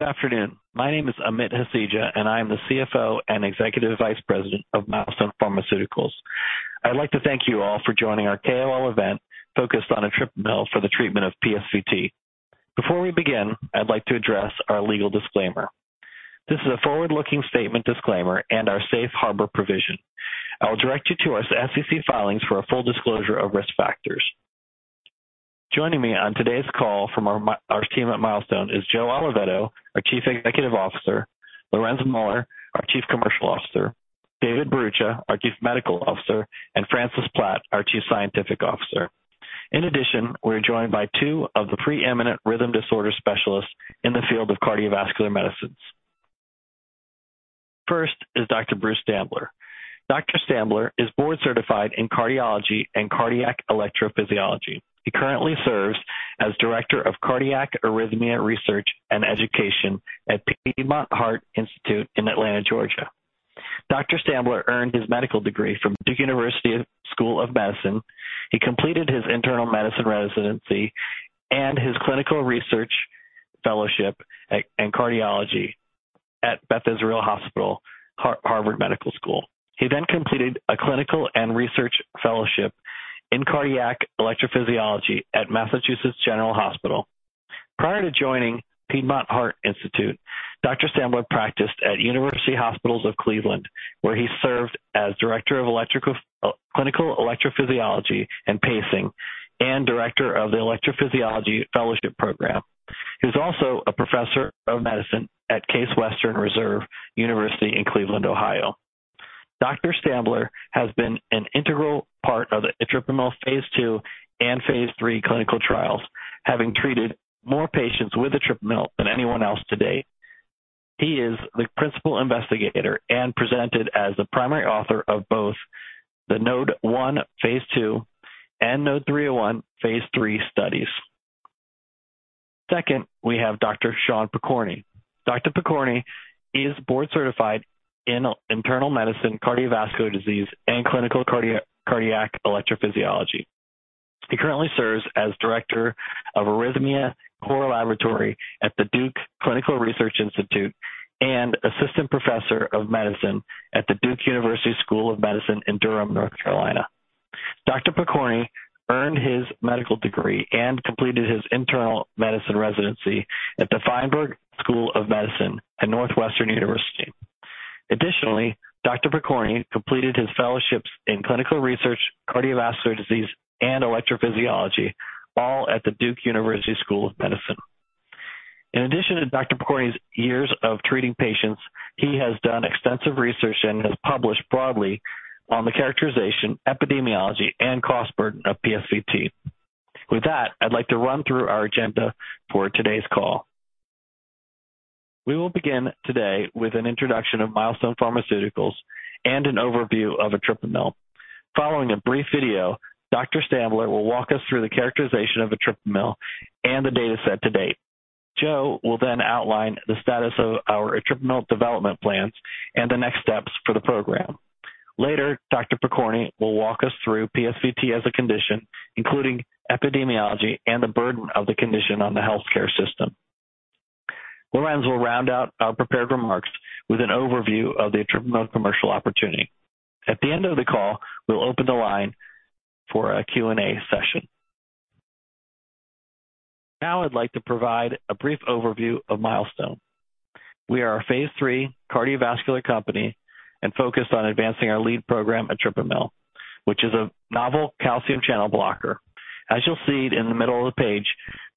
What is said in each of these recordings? Good afternoon. My name is Amit Hasija, and I am the CFO and Executive Vice President of Milestone Pharmaceuticals. I'd like to thank you all for joining our KOL event focused on etripamil for the treatment of PSVT. Before we begin, I'd like to address our legal disclaimer. This is a forward-looking statement disclaimer and our safe harbor provision. I will direct you to our SEC filings for a full disclosure of risk factors. Joining me on today's call from our team at Milestone is Joe Oliveto, our Chief Executive Officer, Lorenz Muller, our Chief Commercial Officer, David Bharucha, our Chief Medical Officer, and Francis Plat, our Chief Scientific Officer. In addition, we're joined by two of the preeminent rhythm disorder specialists in the field of cardiovascular medicines. First is Dr. Bruce Stambler. Dr. Stambler is board-certified in cardiology and cardiac electrophysiology. He currently serves as Director of Cardiac Arrhythmia Research and Education at Piedmont Heart Institute in Atlanta, Georgia. Dr. Stambler earned his medical degree from Duke University School of Medicine. He completed his internal medicine residency and his clinical research fellowship at Beth Israel Hospital, Harvard Medical School. He then completed a clinical and research fellowship in cardiac electrophysiology at Massachusetts General Hospital. Prior to joining Piedmont Heart Institute, Dr. Stambler practiced at University Hospitals Cleveland Medical Center, where he served as Director of Clinical Electrophysiology and Pacing and Director of the Electrophysiology Fellowship Program. He's also a Professor of Medicine at Case Western Reserve University in Cleveland, Ohio. Dr. Stambler has been an integral part of the etripamil phase II and phase III clinical trials, having treated more patients with etripamil than anyone else to date. He is the principal investigator and presented as the primary author of both the NODE-1 phase II and NODE-301 phase III studies. Second, we have Dr. Sean Pokorney. Dr. Pokorney is board-certified in internal medicine, cardiovascular disease, and clinical cardiac electrophysiology. He currently serves as Director of Arrhythmia Core Laboratory at the Duke Clinical Research Institute and Assistant Professor of Medicine at the Duke University School of Medicine in Durham, North Carolina. Dr. Pokorney earned his medical degree and completed his internal medicine residency at the Feinberg School of Medicine at Northwestern University. Additionally, Dr. Pokorney completed his fellowships in clinical research, cardiovascular disease, and electrophysiology, all at the Duke University School of Medicine. In addition to Dr. Pokorney's years of treating patients, he has done extensive research and has published broadly on the characterization, epidemiology, and cost burden of PSVT. With that, I'd like to run through our agenda for today's call. We will begin today with an introduction of Milestone Pharmaceuticals and an overview of etripamil. Following a brief video, Dr. Stambler will walk us through the characterization of etripamil and the data set to date. Joe will then outline the status of our etripamil development plans and the next steps for the program. Later, Dr. Pokorney will walk us through PSVT as a condition, including epidemiology and the burden of the condition on the healthcare system. Lorenz will round out our prepared remarks with an overview of the etripamil commercial opportunity. At the end of the call, we'll open the line for a Q&A session. Now I'd like to provide a brief overview of Milestone. We are a phase III cardiovascular company and are focused on advancing our lead program, etripamil, which is a novel calcium channel blocker. As you'll see in the middle of the page,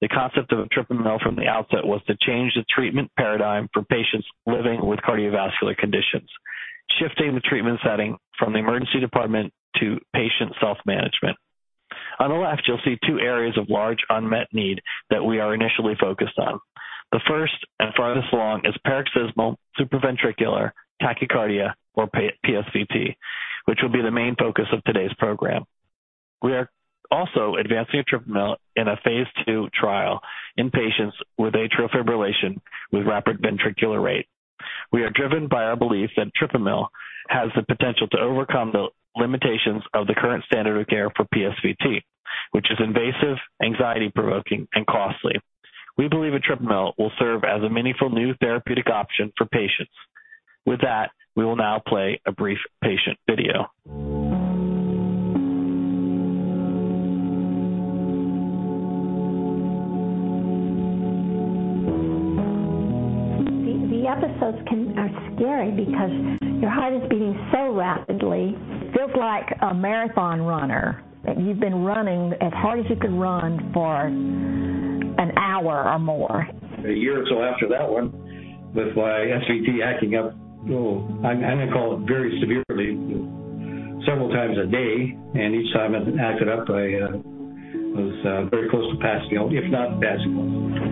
the concept of etripamil from the outset was to change the treatment paradigm for patients living with cardiovascular conditions, shifting the treatment setting from the emergency department to patient self-management. On the left, you'll see two areas of large unmet need that we are initially focused on. The first and farthest along is paroxysmal supraventricular tachycardia, or PSVT, which will be the main focus of today's program. We are also advancing etripamil in a phase II trial in patients with atrial fibrillation with rapid ventricular rate. We are driven by our belief that etripamil has the potential to overcome the limitations of the current standard of care for PSVT, which is invasive, anxiety-provoking, and costly. We believe etripamil will serve as a meaningful new therapeutic option for patients. With that, we will now play a brief patient video. The episodes are scary because your heart is beating so rapidly. Feels like a marathon runner, that you've been running as hard as you can run for an hour or more. A year or so after that one, with my SVT acting up, oh, I'm gonna call it very severely, several times a day, and each time it acted up, I was very close to passing out, if not passing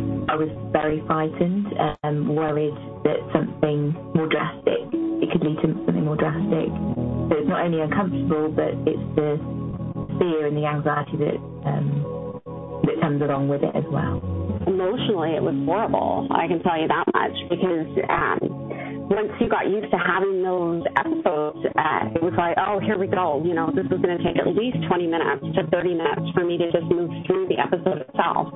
out. I was very frightened and worried that something more drastic, it could lead to something more drastic. It's not only uncomfortable, but it's the fear and the anxiety that that comes along with it as well. Emotionally, it was horrible. I can tell you that much because once you got used to having those episodes, it was like, "Oh, here we go." You know, this was going to take at least 20 minutes-30 minutes for me to just move through the episode itself,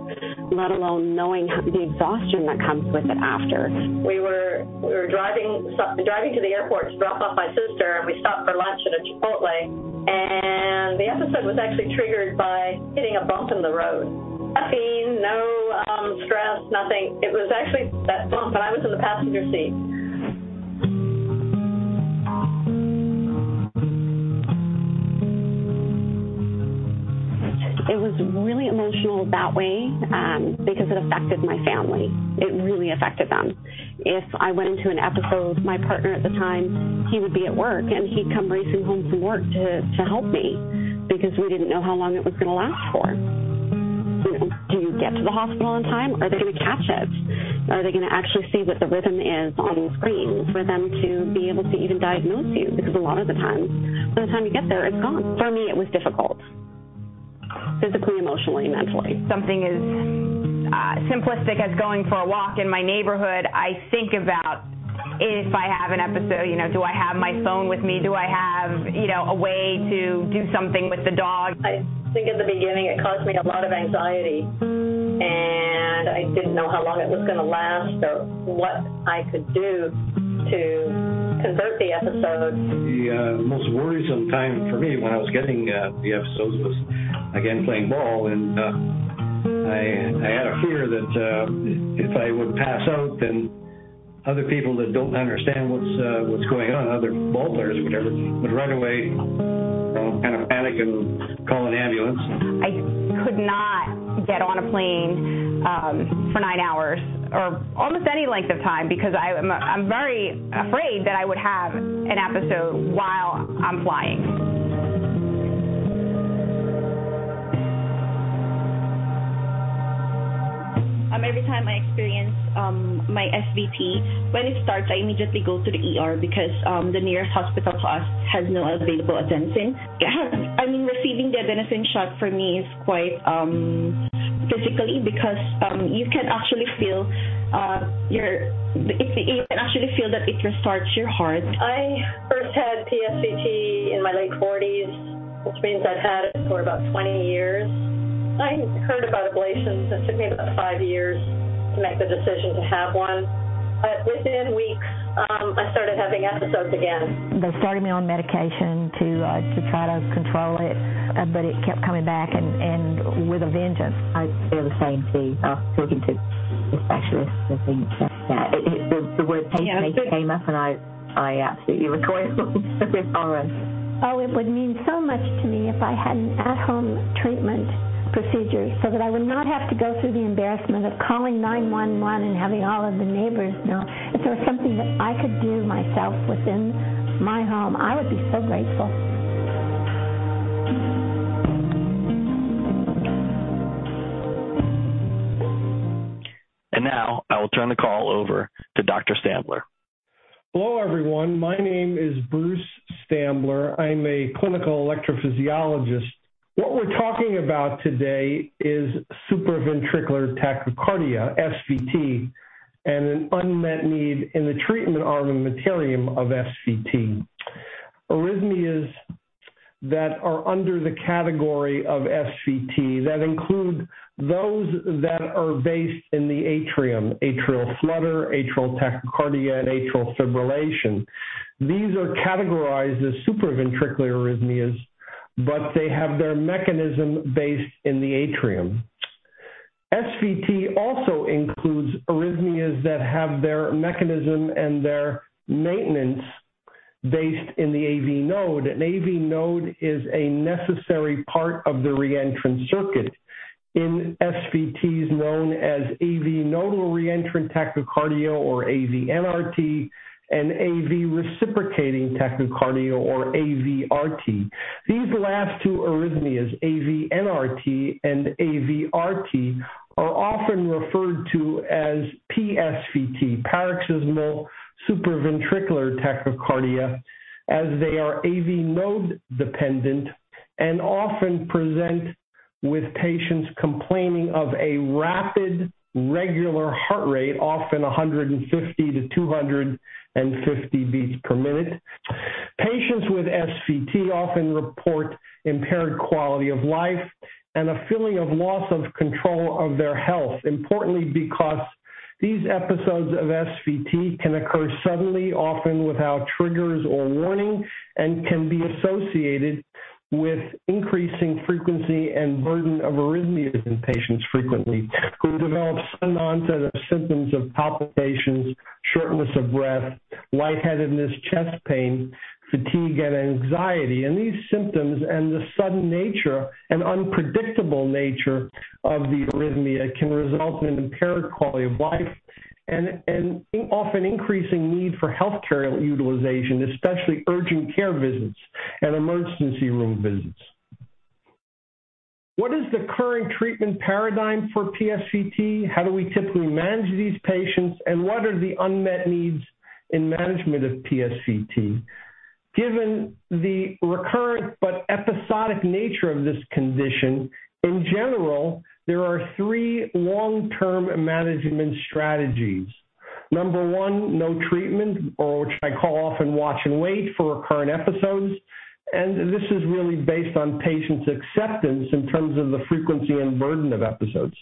let alone knowing the exhaustion that comes with it after. We were driving to the airport to drop off my sister, and we stopped for lunch at a Chipotle, and the episode was actually triggered by hitting a bump in the road. Nothing, no stress, nothing. It was actually that bump, and I was in the passenger seat. It was really emotional that way, because it affected my family. It really affected them. If I went into an episode, my partner at the time, he would be at work, and he'd come racing home from work to help me because we didn't know how long it was going to last for. You know, do you get to the hospital on time? Are they going to catch it? Are they going to actually see what the rhythm is on the screens for them to be able to even diagnose you, because a lot of the times, by the time you get there, it's gone. For me, it was difficult, physically, emotionally, mentally. Something as simplistic as going for a walk in my neighborhood, I think about if I have you know, do I have my phone with me? Do I have, you know, a way to do something with the dog? I think in the beginning it caused me a lot of anxiety, and I didn't know how long it was going to last or what I could do to convert the episodes. The most worrisome time for me when I was getting the episodes was, again, playing ball and I had a fear that if I would pass out, then other people that don't understand what's going on, other ballplayers or whatever, would run away, you know, kind of panic and call an ambulance. I could not get on a plane for nine hours or almost any length of time because I'm very afraid that I would have an episode while I'm flying. Every time I experience my SVT, when it starts, I immediately go to the ER because the nearest hospital to us has no available adenosine. I mean, receiving the adenosine shot for me is quite physically because you can actually feel that it restarts your heart. I first had PSVT in my late 40s, which means I've had it for about 20 years. I heard about ablations. It took me about five years to make the decision to have one. Within weeks, I started having episodes again. They started me on medication to try to control it, but it kept coming back and with a vengeance. I feel the same, too. Talking to the specialist, I think just the word pacemaker came up, and I absolutely recoiled with horror. Oh, it would mean so much to me if I had an at-home treatment procedure so that I would not have to go through the embarrassment of calling 911 and having all of the neighbors know. If there was something that I could do myself within my home, I would be so grateful. Now I will turn the call over to Dr. Stambler. Hello, everyone. My name is Bruce Stambler. I'm a Clinical Electrophysiologist. What we're talking about today is supraventricular tachycardia, SVT, and an unmet need in the treatment armamentarium of SVT. Arrhythmias that are under the category of SVT that include those that are based in the atrium, atrial flutter, atrial tachycardia, and atrial fibrillation. These are categorized as supraventricular arrhythmias, but they have their mechanism based in the atrium. SVT also includes arrhythmias that have their mechanism and their maintenance based in the AV node. An AV node is a necessary part of the reentrant circuit. In SVTs known as AV nodal reentrant tachycardia or AVNRT and AV reciprocating tachycardia or AVRT. These last two arrhythmias, AVNRT and AVRT, are often referred to as PSVT, paroxysmal supraventricular tachycardia, as they are AV node dependent and often present with patients complaining of a rapid, regular heart rate, often 150-250 beats per minute. Patients with SVT often report impaired quality of life and a feeling of loss of control of their health, importantly because these episodes of SVT can occur suddenly, often without triggers or warning, and can be associated with increasing frequency and burden of arrhythmias in patients frequently who develop sudden onset of symptoms of palpitations, shortness of breath, lightheadedness, chest pain, fatigue, and anxiety. These symptoms and the sudden nature and unpredictable nature of the arrhythmia can result in impaired quality of life and often increasing need for healthcare utilization, especially urgent care visits and emergency room visits. What is the current treatment paradigm for PSVT? How do we typically manage these patients, and what are the unmet needs in management of PSVT? Given the recurrent but episodic nature of this condition, in general, there are three long-term management strategies. Number one, no treatment, or which I call off and watch and wait for recurrent episodes. This is really based on patients' acceptance in terms of the frequency and burden of episodes.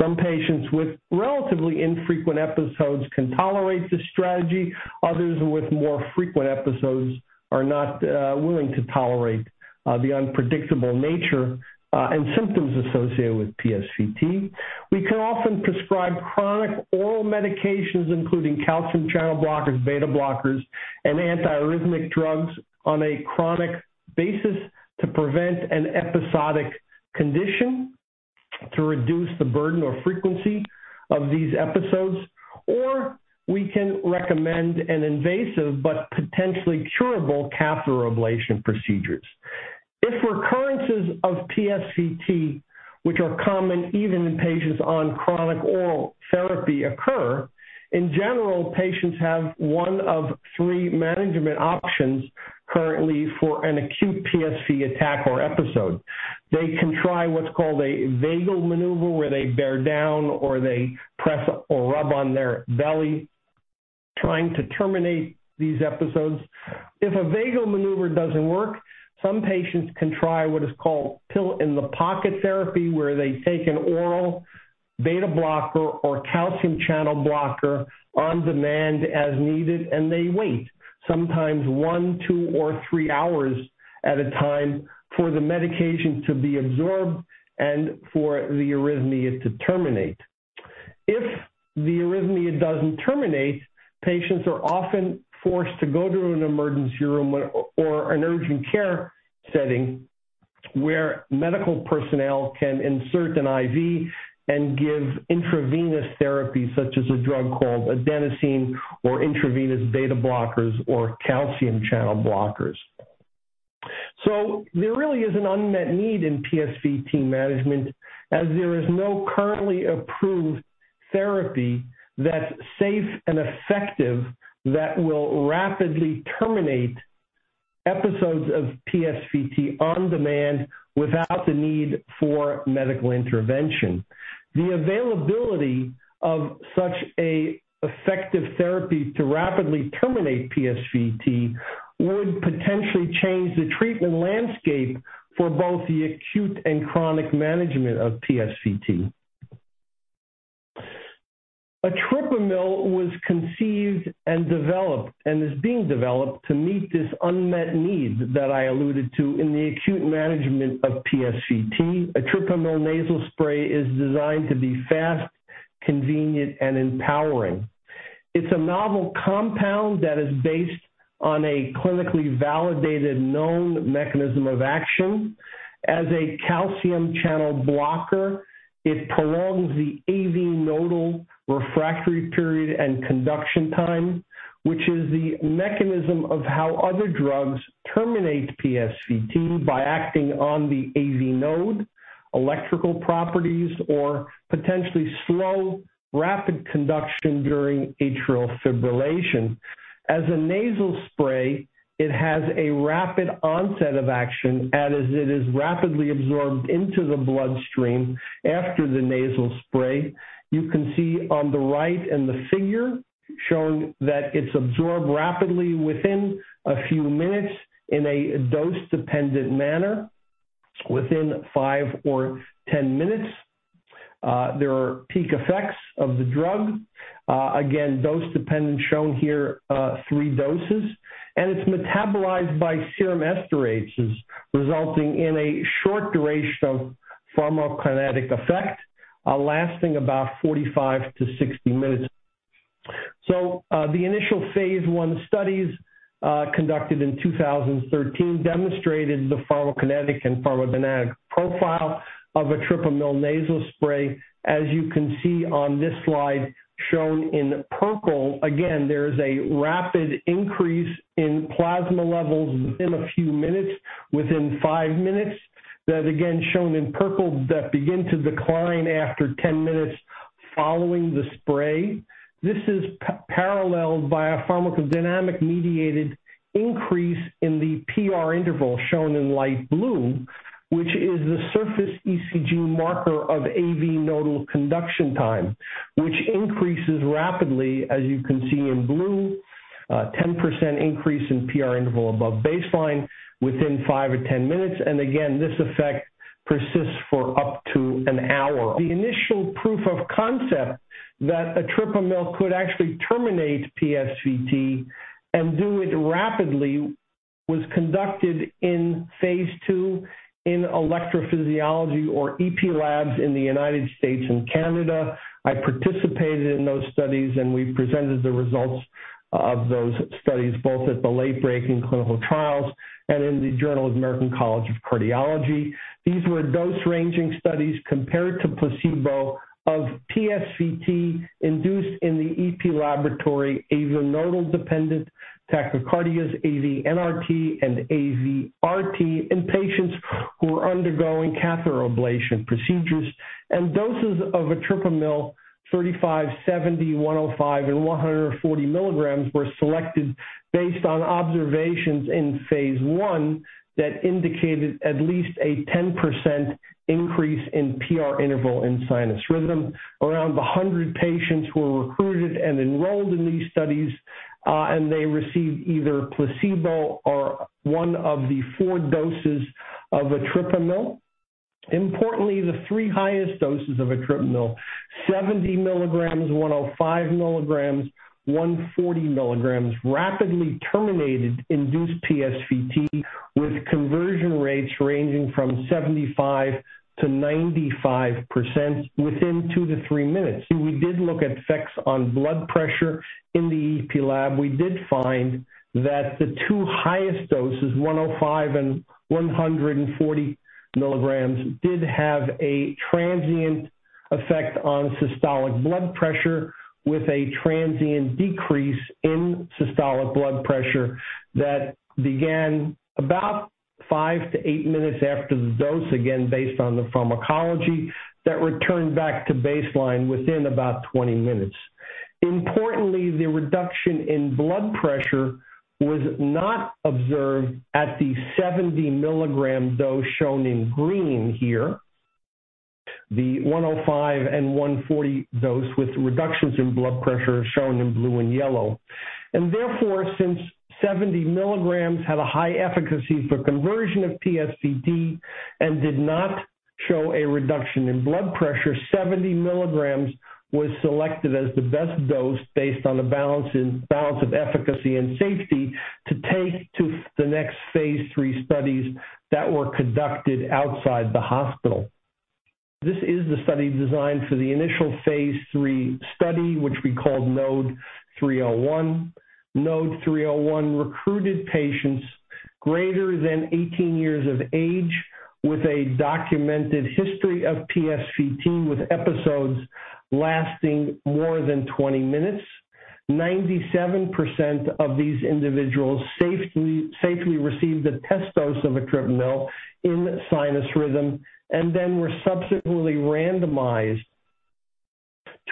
Some patients with relatively infrequent episodes can tolerate this strategy. Others with more frequent episodes are not willing to tolerate the unpredictable nature and symptoms associated with PSVT. We can often prescribe chronic oral medications, including calcium channel blockers, beta blockers, and antiarrhythmic drugs on a chronic basis to prevent an episodic condition to reduce the burden or frequency of these episodes. We can recommend an invasive but potentially curable catheter ablation procedures. If recurrences of PSVT, which are common even in patients on chronic oral therapy occur, in general, patients have one of three management options currently for an acute PSVT attack or episode. They can try what's called a vagal maneuver, where they bear down or they press or rub on their belly, trying to terminate these episodes. If a vagal maneuver doesn't work, some patients can try what is called pill-in-the-pocket therapy, where they take an oral beta blocker or calcium channel blocker on demand as needed, and they wait sometimes one, two, or three hours at a time for the medication to be absorbed and for the arrhythmia to terminate. If the arrhythmia doesn't terminate, patients are often forced to go to an emergency room or an urgent care setting where medical personnel can insert an IV and give intravenous therapy, such as a drug called adenosine or intravenous beta blockers or calcium channel blockers. There really is an unmet need in PSVT management as there is no currently approved therapy that's safe and effective that will rapidly terminate episodes of PSVT on demand without the need for medical intervention. The availability of such a effective therapy to rapidly terminate PSVT would potentially change the treatment landscape for both the acute and chronic management of PSVT. Etripamil was conceived and developed and is being developed to meet this unmet need that I alluded to in the acute management of PSVT. Etripamil nasal spray is designed to be fast, convenient, and empowering. It's a novel compound that is based on a clinically validated known mechanism of action. As a calcium channel blocker, it prolongs the AV nodal refractory period and conduction time, which is the mechanism of how other drugs terminate PSVT by acting on the AV node electrical properties or potentially slow rapid conduction during atrial fibrillation. As a nasal spray, it has a rapid onset of action as it is rapidly absorbed into the bloodstream after the nasal spray. You can see on the right in the figure showing that it's absorbed rapidly within a few minutes in a dose-dependent manner. Within five or 10 minutes, there are peak effects of the drug. Again, dose-dependent shown here, three doses. It's metabolized by serum esterases, resulting in a short duration of pharmacokinetic effect, lasting about 45-60 minutes. The initial phase I studies conducted in 2013 demonstrated the pharmacokinetic and pharmacodynamic profile of etripamil nasal spray. As you can see on this slide shown in purple, again, there is a rapid increase in plasma levels within a few minutes, within five minutes. That again shown in purple that begin to decline after 10 minutes following the spray. This is paralleled by a pharmacodynamic-mediated increase in the PR interval shown in light blue, which is the surface ECG marker of AV nodal conduction time, which increases rapidly, as you can see in blue, a 10% increase in PR interval above baseline within five or 10 minutes. This effect persists for up to an hour. The initial proof of concept that etripamil could actually terminate PSVT and do it rapidly was conducted in phase II in electrophysiology or EP labs in the United States and Canada. I participated in those studies, and we presented the results of those studies both at the late-breaking clinical trials and in the Journal of the American College of Cardiology. These were dose-ranging studies compared to placebo of PSVT induced in the EP laboratory, atrial dependent tachycardias, AVNRT, and AVRT in patients who were undergoing catheter ablation procedures. Doses of etripamil 35 mg, 70 mg, 105 mg, and 140 mg were selected based on observations in phase I that indicated at least a 10% increase in PR interval in sinus rhythm. Around 100 patients were recruited and enrolled in these studies. They received either placebo or one of the four doses of etripamil. Importantly, the three highest doses of etripamil, 70 mg, 105 mg, 140 mg, rapidly terminated induced PSVT with conversion rates ranging from 75%-95% within two to three minutes. We did look at effects on blood pressure in the EP lab. We did find that the two highest doses, 105 mg and 140 mg, did have a transient effect on systolic blood pressure with a transient decrease in systolic blood pressure that began about five to eight minutes after the dose, again based on the pharmacology, that returned back to baseline within about 20 minutes. Importantly, the reduction in blood pressure was not observed at the 70 mg dose shown in green here. The 105 mg and 140 mg dose with reductions in blood pressure shown in blue and yellow. Therefore, since 70 mg had a high efficacy for conversion of PSVT and did not show a reduction in blood pressure, 70 mg was selected as the best dose based on the balance of efficacy and safety to take to the next phase III studies that were conducted outside the hospital. This is the study design for the initial phase III study which we called NODE-301. NODE-301 recruited patients greater than 18 years of age with a documented history of PSVT with episodes lasting more than 20 minutes. 97% of these individuals safely received a test dose of etripamil in sinus rhythm and then were subsequently randomized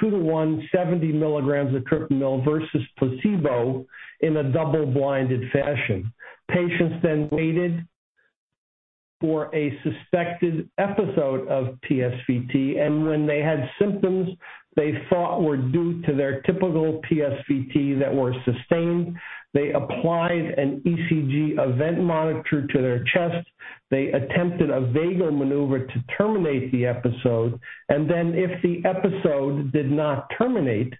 2:1, 70 mg etripamil versus placebo in a double-blinded fashion. Patients then waited for a suspected episode of PSVT, and when they had symptoms they thought were due to their typical PSVT that were sustained, they applied an ECG event monitor to their chest. They attempted a vagal maneuver to terminate the episode. Then if the episode did not terminate,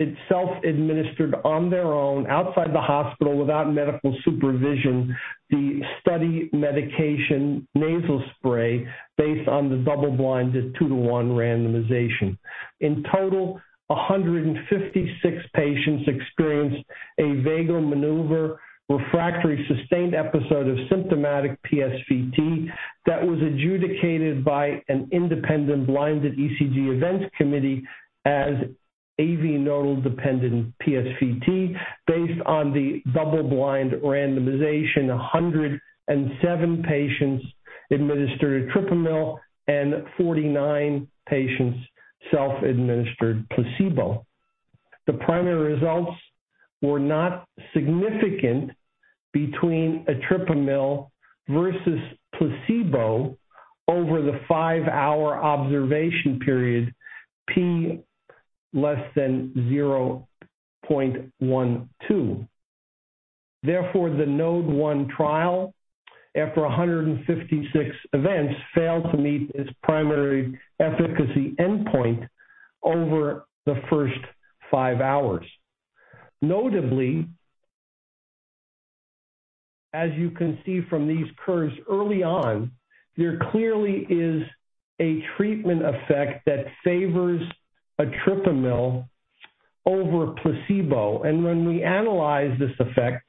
they themselves administered on their own outside the hospital without medical supervision the study medication nasal spray based on the double-blind 2:1 randomization. In total, 156 patients experienced a vagal maneuver refractory sustained episode of symptomatic PSVT that was adjudicated by an independent blinded ECG events committee as AV nodal dependent PSVT. Based on the double-blind randomization, 107 patients administered etripamil and 49 patients self-administered placebo. The primary results were not significant between etripamil versus placebo over the five-hour observation period p < 0.12. Therefore, the NODE-1 trial, after 156 events, failed to meet its primary efficacy endpoint over the first five hours. Notably, as you can see from these curves early on, there clearly is a treatment effect that favors etripamil over placebo. When we analyze this effect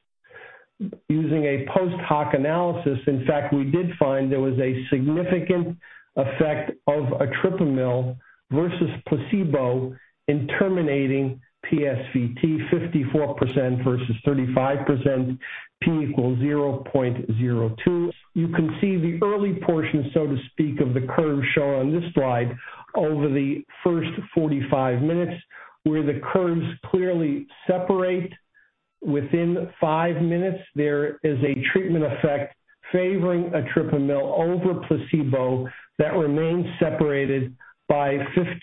using a post-hoc analysis, in fact we did find there was a significant effect of etripamil versus placebo in terminating PSVT 54% versus 35% p = 0.02. You can see the early portion, so to speak, of the curve shown on this slide over the first 45 minutes where the curves clearly separate within five minutes. There is a treatment effect favoring etripamil over placebo that remains separated by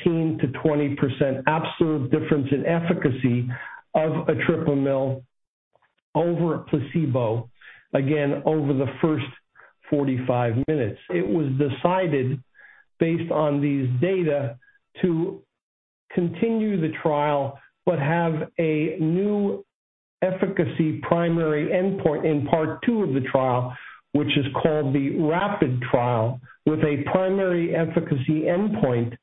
15%-20% absolute difference in efficacy of etripamil over placebo, again over the first 45 minutes. It was decided based on these data to continue the trial but have a new efficacy primary endpoint in part two of the trial, which is called the RAPID trial, with a primary efficacy endpoint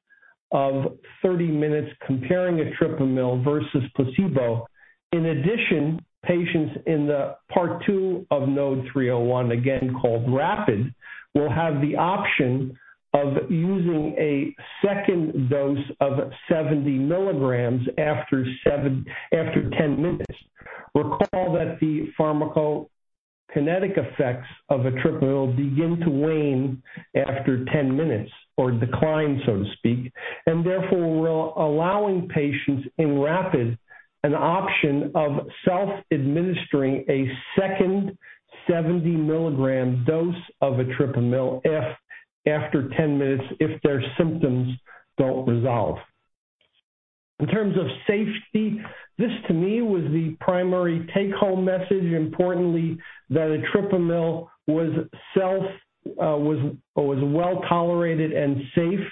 of 30 minutes comparing etripamil versus placebo. In addition, patients in the part two of NODE-301, again called RAPID, will have the option of using a second dose of 70 mg after 10 minutes. Recall that the pharmacokinetic effects of etripamil begin to wane after 10 minutes or decline, so to speak. Therefore, we're allowing patients in RAPID an option of self-administering a second 70 mg dose of etripamil if after 10 minutes if their symptoms don't resolve. In terms of safety, this to me was the primary take-home message, importantly, that etripamil was well-tolerated and safe.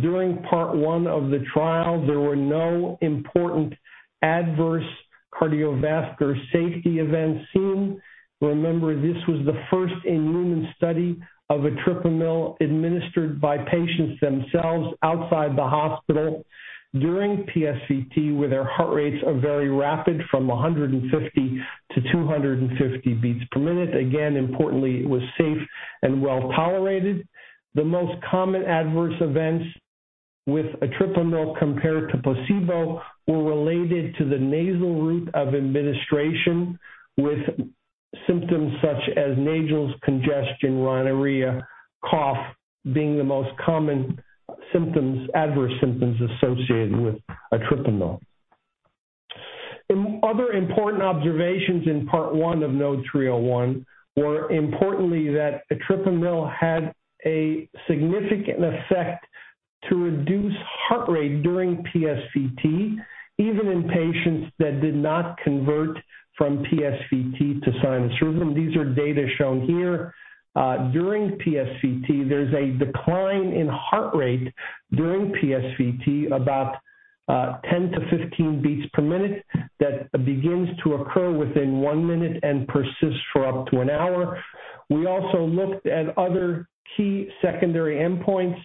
During part one of the trial, there were no important adverse cardiovascular safety events seen. Remember, this was the first in-human study of etripamil administered by patients themselves outside the hospital during PSVT, where their heart rates are very rapid from 150-250 beats per minute. Importantly, it was safe and well-tolerated. The most common adverse events with etripamil compared to placebo were related to the nasal route of administration, with symptoms such as nasal congestion, rhinorrhea, cough being the most common symptoms, adverse symptoms associated with etripamil. Other important observations in part one of NODE-301 were that etripamil had a significant effect to reduce heart rate during PSVT, even in patients that did not convert from PSVT to sinus rhythm. These are data shown here. During PSVT, there's a decline in heart rate during PSVT, about 10-15 beats per minute that begins to occur within one minute and persists for up to an hour. We also looked at other key secondary endpoints,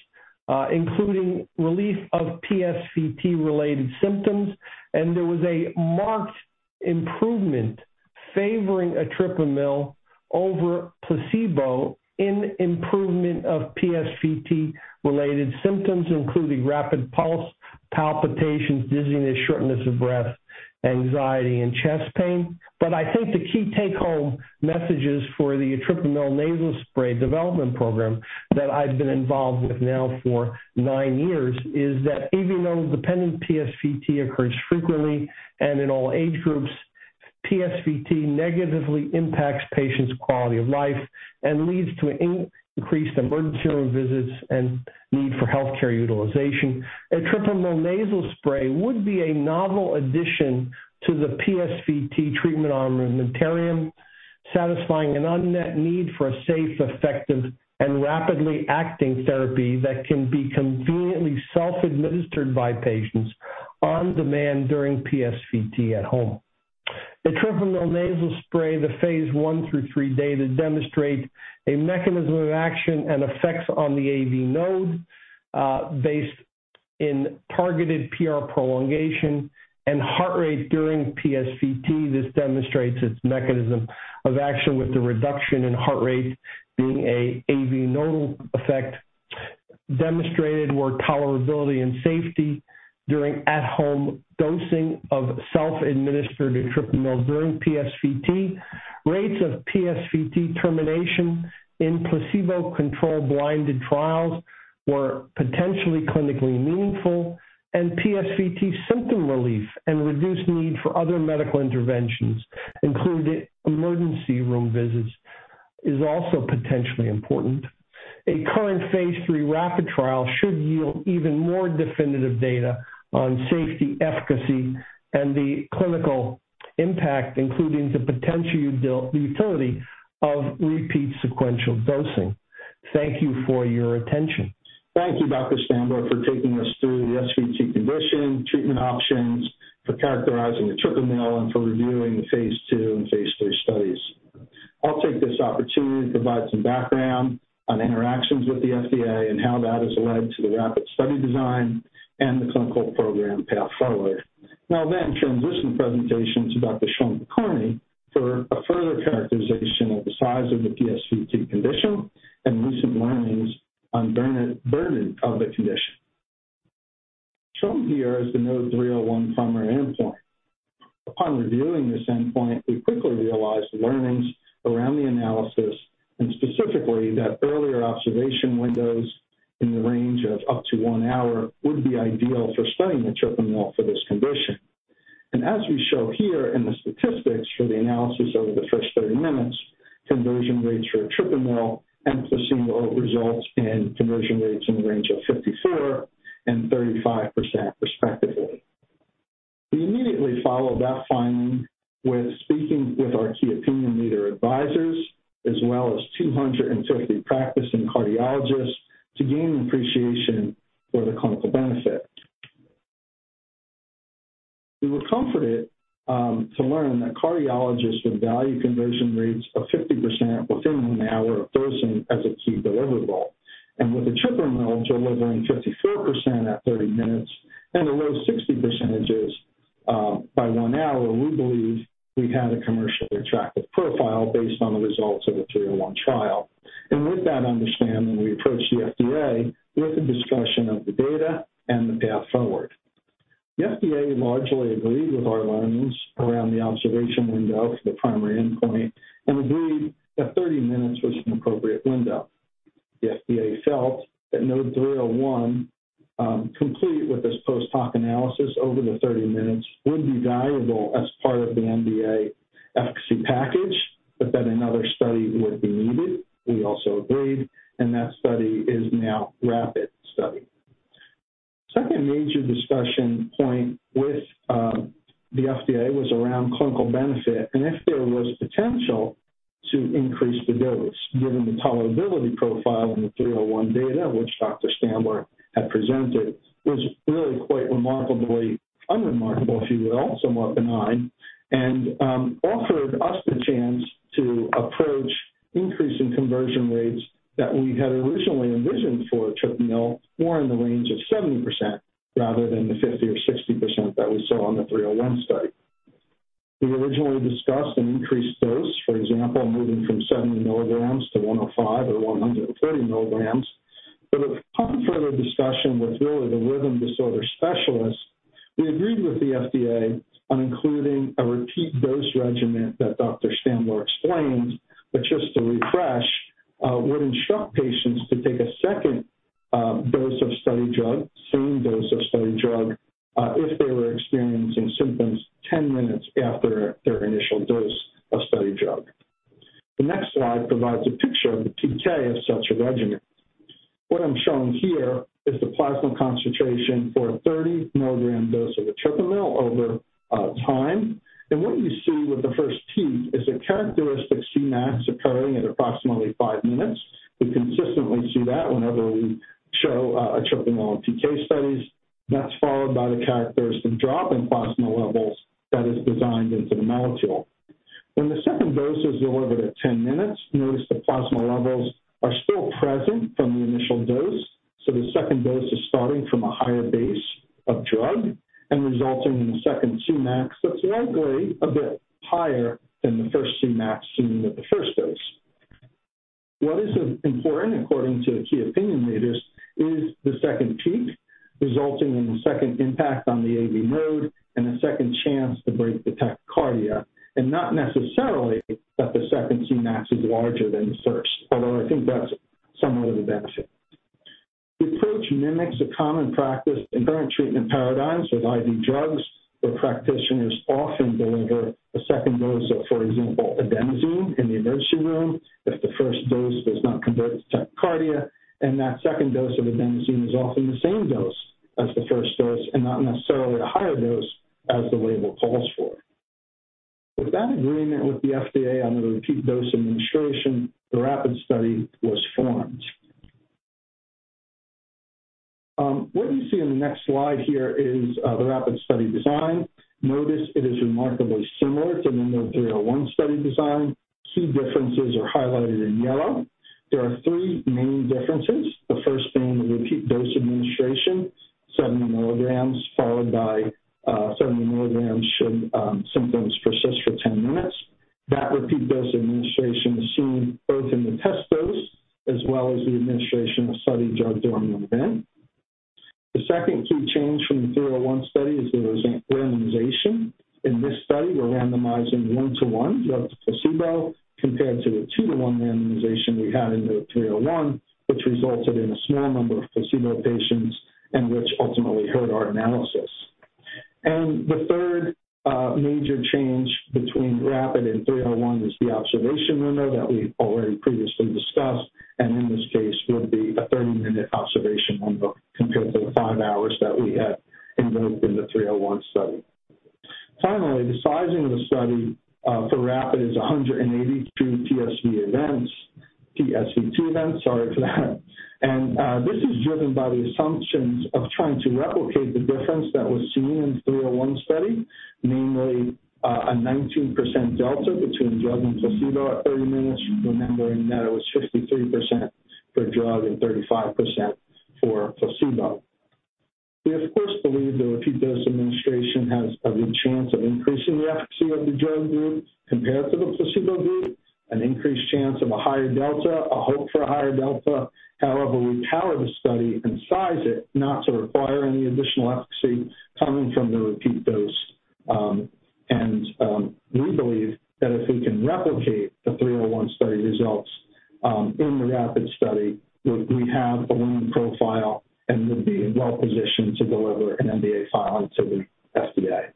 including relief of PSVT-related symptoms, and there was a marked improvement favoring etripamil over placebo in improvement of PSVT-related symptoms, including rapid pulse, palpitations, dizziness, shortness of breath, anxiety and chest pain. I think the key take-home messages for the etripamil nasal spray development program that I've been involved with now for nine years is that AV node dependent PSVT occurs frequently and in all age groups. PSVT negatively impacts patients' quality of life and leads to increased emergency room visits and need for healthcare utilization. Etripamil nasal spray would be a novel addition to the PSVT treatment armamentarium, satisfying an unmet need for a safe, effective and rapidly acting therapy that can be conveniently self-administered by patients on demand during PSVT at home. Etripamil nasal spray, the phase I through III data demonstrate a mechanism of action and effects on the AV node, based on targeted PR prolongation and heart rate during PSVT. This demonstrates its mechanism of action with the reduction in heart rate being an AV nodal effect. Demonstrated were tolerability and safety during at home dosing of self-administered etripamil during PSVT. Rates of PSVT termination in placebo-controlled blinded trials were potentially clinically meaningful, and PSVT symptom relief and reduced need for other medical interventions, including emergency room visits, is also potentially important. The current phase III RAPID trial should yield even more definitive data on safety, efficacy and the clinical impact, including the potential utility of repeat sequential dosing. Thank you for your attention. Thank you, Dr. Stambler, for taking us through the SVT condition, treatment options for characterizing etripamil, and for reviewing the phase II and phase III studies. I'll take this opportunity to provide some background on interactions with the FDA and how that has led to the RAPID study design and the clinical program path forward. I'll then transition the presentation to Dr. Sean Pokorney for a further characterization of the size of the PSVT condition and recent learnings on burden of the condition. Shown here is the NODE-301 primary endpoint. Upon reviewing this endpoint, we quickly realized the learnings around the analysis and specifically that earlier observation windows in the range of up to one hour would be ideal for studying etripamil for this condition. As we show here in the statistics for the analysis over the first 30 minutes, conversion rates for etripamil and placebo results in conversion rates in the range of 54% and 35% respectively. We immediately followed that finding with speaking with our key opinion leader advisors as well as 250 practicing cardiologists to gain an appreciation for the clinical benefit. We were comforted to learn that cardiologists would value conversion rates of 50% within an hour of dosing as a key deliverable, and with etripamil delivering 54% at 30 minutes and the low 60s percentages by one hour, we believe we had a commercially attractive profile based on the results of the NODE-301 trial. With that understanding, we approached the FDA with a discussion of the data and the path forward. The FDA largely agreed with our learnings around the observation window for the primary endpoint and agreed that 30 minutes was an appropriate window. The FDA felt that NODE-301, complete with this post-hoc analysis over the 30 minutes, would be valuable as part of the NDA efficacy package, but that another study would be needed. We also agreed, and that study is now RAPID study. Second major discussion point with the FDA was around clinical benefit and if there was potential to increase the dose, given the tolerability profile in the NODE-301 data which Dr. Stambler had presented, was really quite remarkably unremarkable, if you will, somewhat benign, and offered us the chance to approach increase in conversion rates that we had originally envisioned for etripamil, more in the range of 70% rather than the 50% or 60% that we saw on the NODE-301 study. We originally discussed an increased dose, for example, moving from 70 mg to 105 mg or 130 mg. Upon further discussion with really the rhythm disorder specialists, we agreed with the FDA on including a repeat dose regimen that Dr. Stambler explained, but just to refresh, would instruct patients to take a second dose of study drug, same dose of study drug, if they were experiencing symptoms 10 minutes after their initial dose of study drug. The next slide provides a picture of the PK of such a regimen. What I'm showing here is the plasma concentration for 30 mg dose of the etripamil over time. What you see with the first peak is a characteristic Cmax occurring at approximately five minutes. We consistently see that whenever we show etripamil PK studies. That's followed by the characteristic drop in plasma levels that is designed into the molecule. When the second dose is delivered at 10 minutes, notice the plasma levels are still present from the initial dose. The second dose is starting from a higher base of drug and resulting in a second Cmax that's likely a bit higher than the first Cmax seen with the first dose. What is important according to key opinion leaders is the second peak resulting in the second impact on the AV node and a second chance to break the tachycardia. Not necessarily that the second Cmax is larger than the first, although I think that's somewhat of a benefit. The approach mimics a common practice in current treatment paradigms with IV drugs, where practitioners often deliver a second dose of, for example, adenosine in the emergency room if the first dose does not convert the tachycardia, and that second dose of adenosine is often the same dose as the first dose and not necessarily a higher dose as the label calls for. With that agreement with the FDA on the repeat dose administration, the RAPID study was formed. What you see on the next slide here is the RAPID study design. Notice it is remarkably similar to the NODE-301 study design. Key differences are highlighted in yellow. There are three main differences, the first being the repeat dose administration, 70 mg followed by 70 mg, should symptoms persist for 10 minutes. That repeat dose administration is seen both in the test dose as well as the administration of study drug during the event. The second key change from the NODE-301 study is the re-randomization. In this study, we're randomizing 1:1 drug to placebo compared to the 2:1 randomization we had in the NODE-301, which resulted in a small number of placebo patients and which ultimately hurt our analysis. The third major change between RAPID and NODE-301 is the observation window that we've already previously discussed, and in this case would be a 30-minute observation window compared to the five hours that we had invoked in the NODE-301 study. Finally, the sizing of the study for RAPID is 182 PSVT events. Sorry for that. This is driven by the assumptions of trying to replicate the difference that was seen in NODE-301 study, namely a 19% delta between drug and placebo at 30 minutes, remembering that it was 53% for drug and 35% for placebo. We of course believe the repeat dose administration has a good chance of increasing the efficacy of the drug group compared to the placebo group, an increased chance of a higher delta, a hope for a higher delta. However, we powered the study and sized it not to require any additional efficacy coming from the repeat dose. We believe that if we can replicate the NODE-301 study results in the RAPID study, we have a winning profile and would be well-positioned to deliver an NDA filing to the FDA.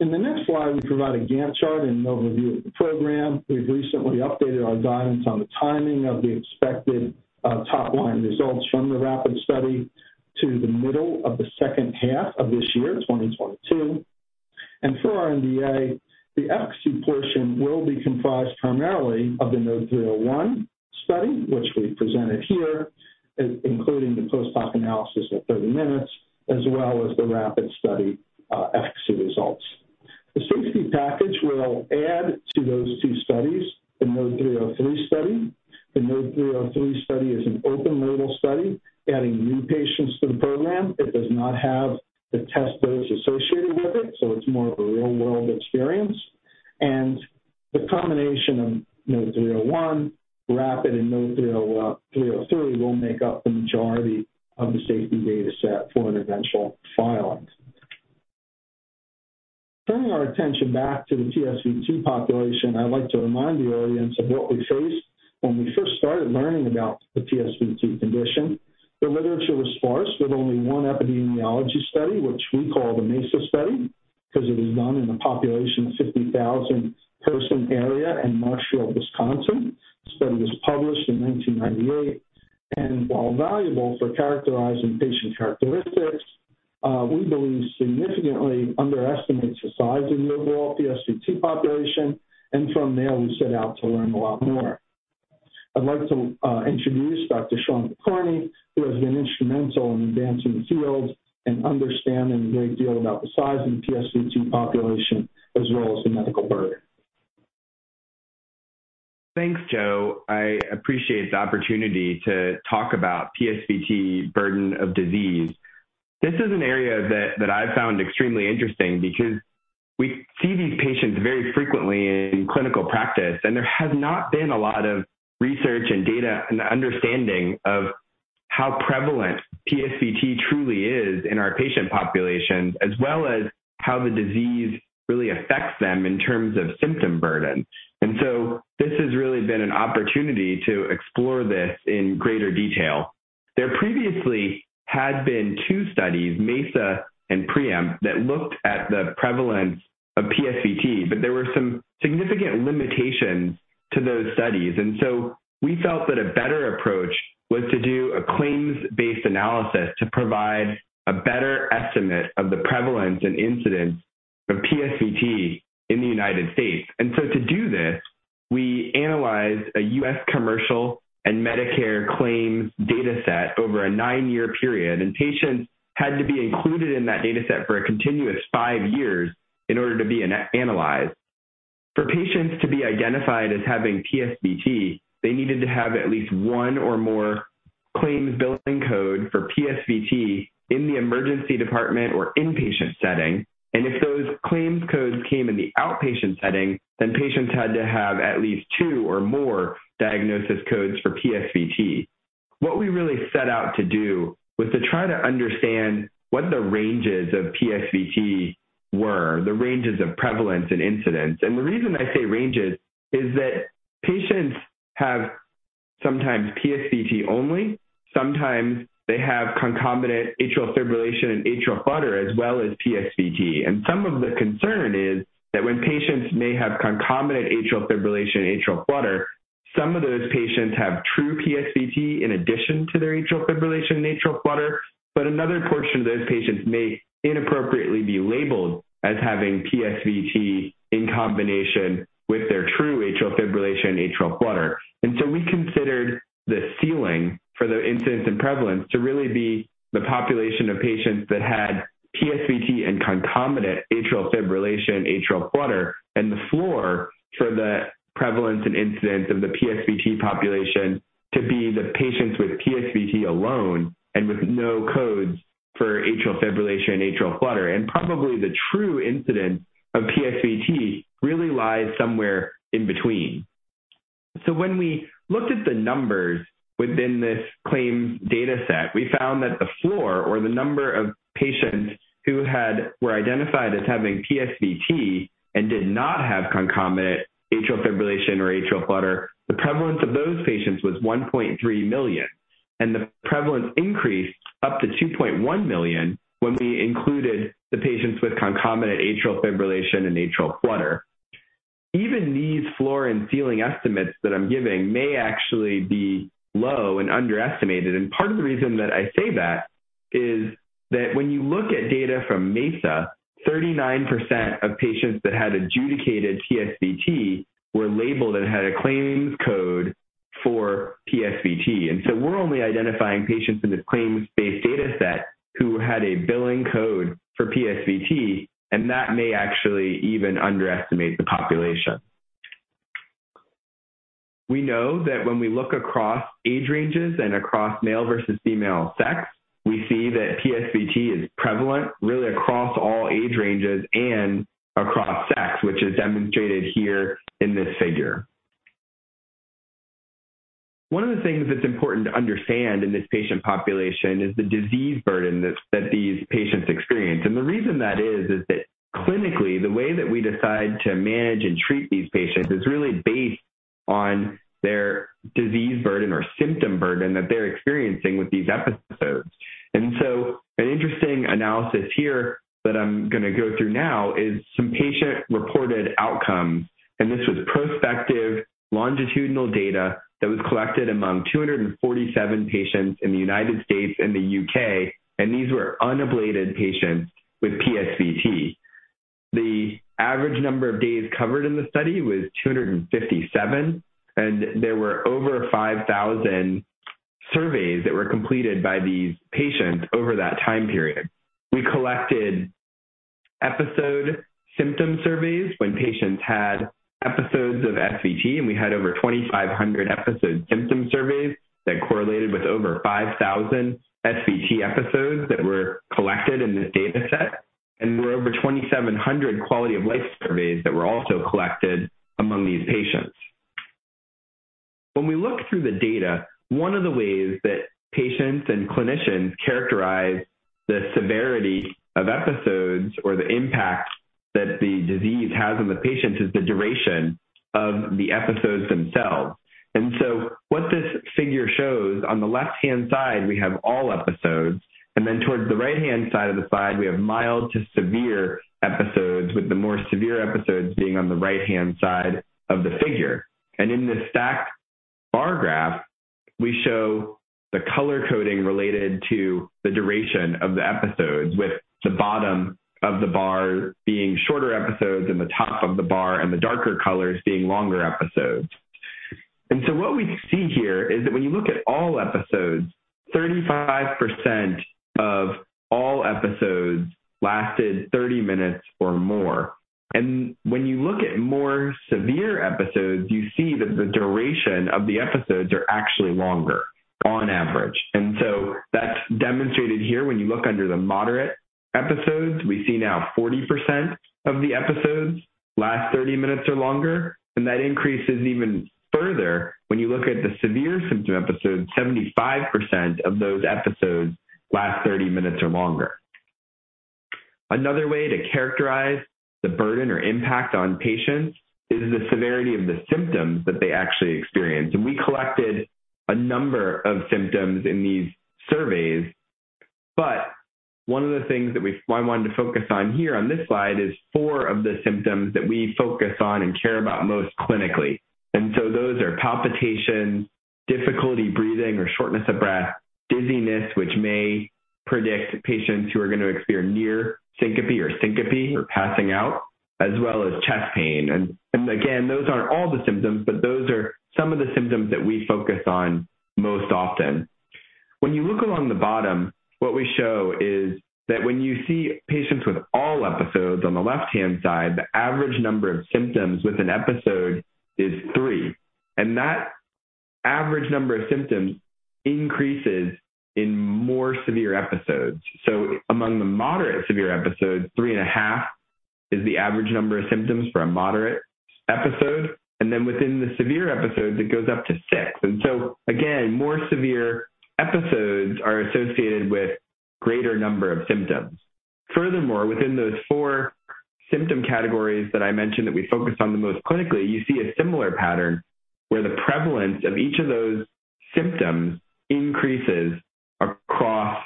In the next slide we provide a Gantt chart and an overview of the program. We've recently updated our guidance on the timing of the expected top-line results from the RAPID study to the middle of the second half of this year, 2022. For our NDA, the efficacy portion will be comprised primarily of the NODE-301 study, which we've presented here, including the post-hoc analysis at 30 minutes, as well as the RAPID study efficacy results. The safety package will add to those two studies the NODE-303 study. The NODE-303 study is an open-label study, adding new patients to the program. It does not have the test dose associated with it, so it's more of a real-world experience. The combination of NODE-301, RAPID, and NODE-303 will make up the majority of the safety data set for an eventual filing. Turning our attention back to the PSVT population, I'd like to remind the audience of what we faced when we first started learning about the PSVT condition. The literature was sparse with only one epidemiology study, which we call the MESA study because it was done in a population of 50,000-person area in Marshfield, Wisconsin. The study was published in 1998, and while valuable for characterizing patient characteristics, we believe significantly underestimates the size of the overall PSVT population. From there, we set out to learn a lot more. I'd like to introduce Dr. Sean Pokorney, who has been instrumental in advancing the field and understanding a great deal about the size of the PSVT population as well as the medical burden. Thanks, Joe. I appreciate the opportunity to talk about PSVT burden of disease. This is an area that I found extremely interesting because we see these patients very frequently in clinical practice, and there has not been a lot of research and data and understanding of how prevalent PSVT truly is in our patient population, as well as how the disease really affects them in terms of symptom burden. This has really been an opportunity to explore this in greater detail. There previously had been two studies, MESA and PREEMPT, that looked at the prevalence of PSVT, but there were some significant limitations to those studies. We felt that a better approach was to do a claims-based analysis to provide a better estimate of the prevalence and incidence of PSVT in the United States. To do this, we analyzed a U.S. commercial and Medicare claims data set over a nine-year period, and patients had to be included in that data set for a continuous five years in order to be analyzed. For patients to be identified as having PSVT, they needed to have at least one or more claims billing code for PSVT in the emergency department or inpatient setting. If those claims codes came in the outpatient setting, then patients had to have at least two or more diagnosis codes for PSVT. What we really set out to do was to try to understand what the ranges of PSVT were, the ranges of prevalence and incidence. The reason I say ranges is that patients have sometimes PSVT only. Sometimes they have concomitant atrial fibrillation and atrial flutter as well as PSVT. Some of the concern is that when patients may have concomitant atrial fibrillation and atrial flutter, some of those patients have true PSVT in addition to their atrial fibrillation and atrial flutter. Another portion of those patients may inappropriately be labeled as having PSVT in combination with their true atrial fibrillation and atrial flutter. We considered the ceiling for the incidence and prevalence to really be the population of patients that had PSVT and concomitant atrial fibrillation, atrial flutter, and the floor for the prevalence and incidence of the PSVT population to be the patients with PSVT alone and with no codes for atrial fibrillation and atrial flutter. Probably the true incidence of PSVT really lies somewhere in between. When we looked at the numbers within this claims data set, we found that the floor or the number of patients who had... Were identified as having PSVT and did not have concomitant atrial fibrillation or atrial flutter, the prevalence of those patients was 1.3 million, and the prevalence increased up to 2.1 million when we included the patients with concomitant atrial fibrillation and atrial flutter. Even these floor and ceiling estimates that I'm giving may actually be low and underestimated. Part of the reason that I say that is that when you look at data from MESA, 39% of patients that had adjudicated PSVT were labeled and had a claims code for PSVT. We're only identifying patients in this claims-based data set who had a billing code for PSVT, and that may actually even underestimate the population. We know that when we look across age ranges and across male versus female sex, we see that PSVT is prevalent really across all age ranges and across sex, which is demonstrated here in this figure. One of the things that's important to understand in this patient population is the disease burden that these patients experience. The reason that is that clinically, the way that we decide to manage and treat these patients is really based on their disease burden or symptom burden that they're experiencing with these episodes. An interesting analysis here that I'm going to go through now is some patient-reported outcomes, and this was prospective longitudinal data that was collected among 247 patients in the United States and the U.K., and these were unablated patients with PSVT. The average number of days covered in the study was 257, and there were over 5,000 surveys that were completed by these patients over that time period. We collected episode symptom surveys when patients had episodes of SVT, and we had over 2,500 episode symptom surveys that correlated with over 5,000 SVT episodes that were collected in this data set. There were over 2,700 quality of life surveys that were also collected among these patients. When we look through the data, one of the ways that patients and clinicians characterize the severity of episodes or the impact that the disease has on the patients is the duration of the episodes themselves. What this figure shows on the left-hand side, we have all episodes. Towards the right-hand side of the slide, we have mild to severe episodes, with the more severe episodes being on the right-hand side of the figure. In this stacked bar graph, we show the color coding related to the duration of the episodes, with the bottom of the bar being shorter episodes and the top of the bar and the darker colors being longer episodes. What we see here is that when you look at all episodes, 35% of all episodes lasted 30 minutes or more. When you look at more severe episodes, you see that the duration of the episodes are actually longer on average. That's demonstrated here when you look under the moderate episodes. We see now 40% of the episodes last 30 minutes or longer. That increases even further when you look at the severe symptom episodes. 75% of those episodes last 30 minutes or longer. Another way to characterize the burden or impact on patients is the severity of the symptoms that they actually experience. We collected a number of symptoms in these surveys, but one of the things that I wanted to focus on here on this slide is four of the symptoms that we focus on and care about most clinically. Those are palpitations, difficulty breathing or shortness of breath, dizziness which may predict patients who are going to experience near syncope or syncope or passing out, as well as chest pain. And again, those aren't all the symptoms, but those are some of the symptoms that we focus on most often. When you look along the bottom, what we show is that when you see patients with all episodes on the left-hand side, the average number of symptoms with an episode is three. That average number of symptoms increases in more severe episodes. Among the moderate severe episodes, three and a half is the average number of symptoms for a moderate episode. Within the severe episodes, it goes up to six. Again, more severe episodes are associated with greater number of symptoms. Furthermore, within those four symptom categories that I mentioned that we focus on the most clinically, you see a similar pattern where the prevalence of each of those symptoms increases across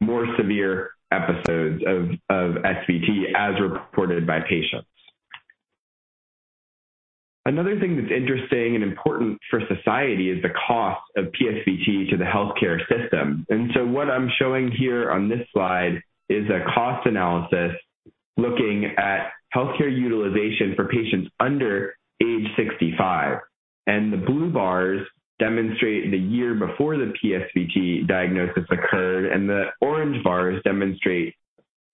more severe episodes of SVT as reported by patients. Another thing that's interesting and important for society is the cost of PSVT to the healthcare system. What I'm showing here on this slide is a cost analysis looking at healthcare utilization for patients under age 65. The blue bars demonstrate the year before the PSVT diagnosis occurred, and the orange bars demonstrate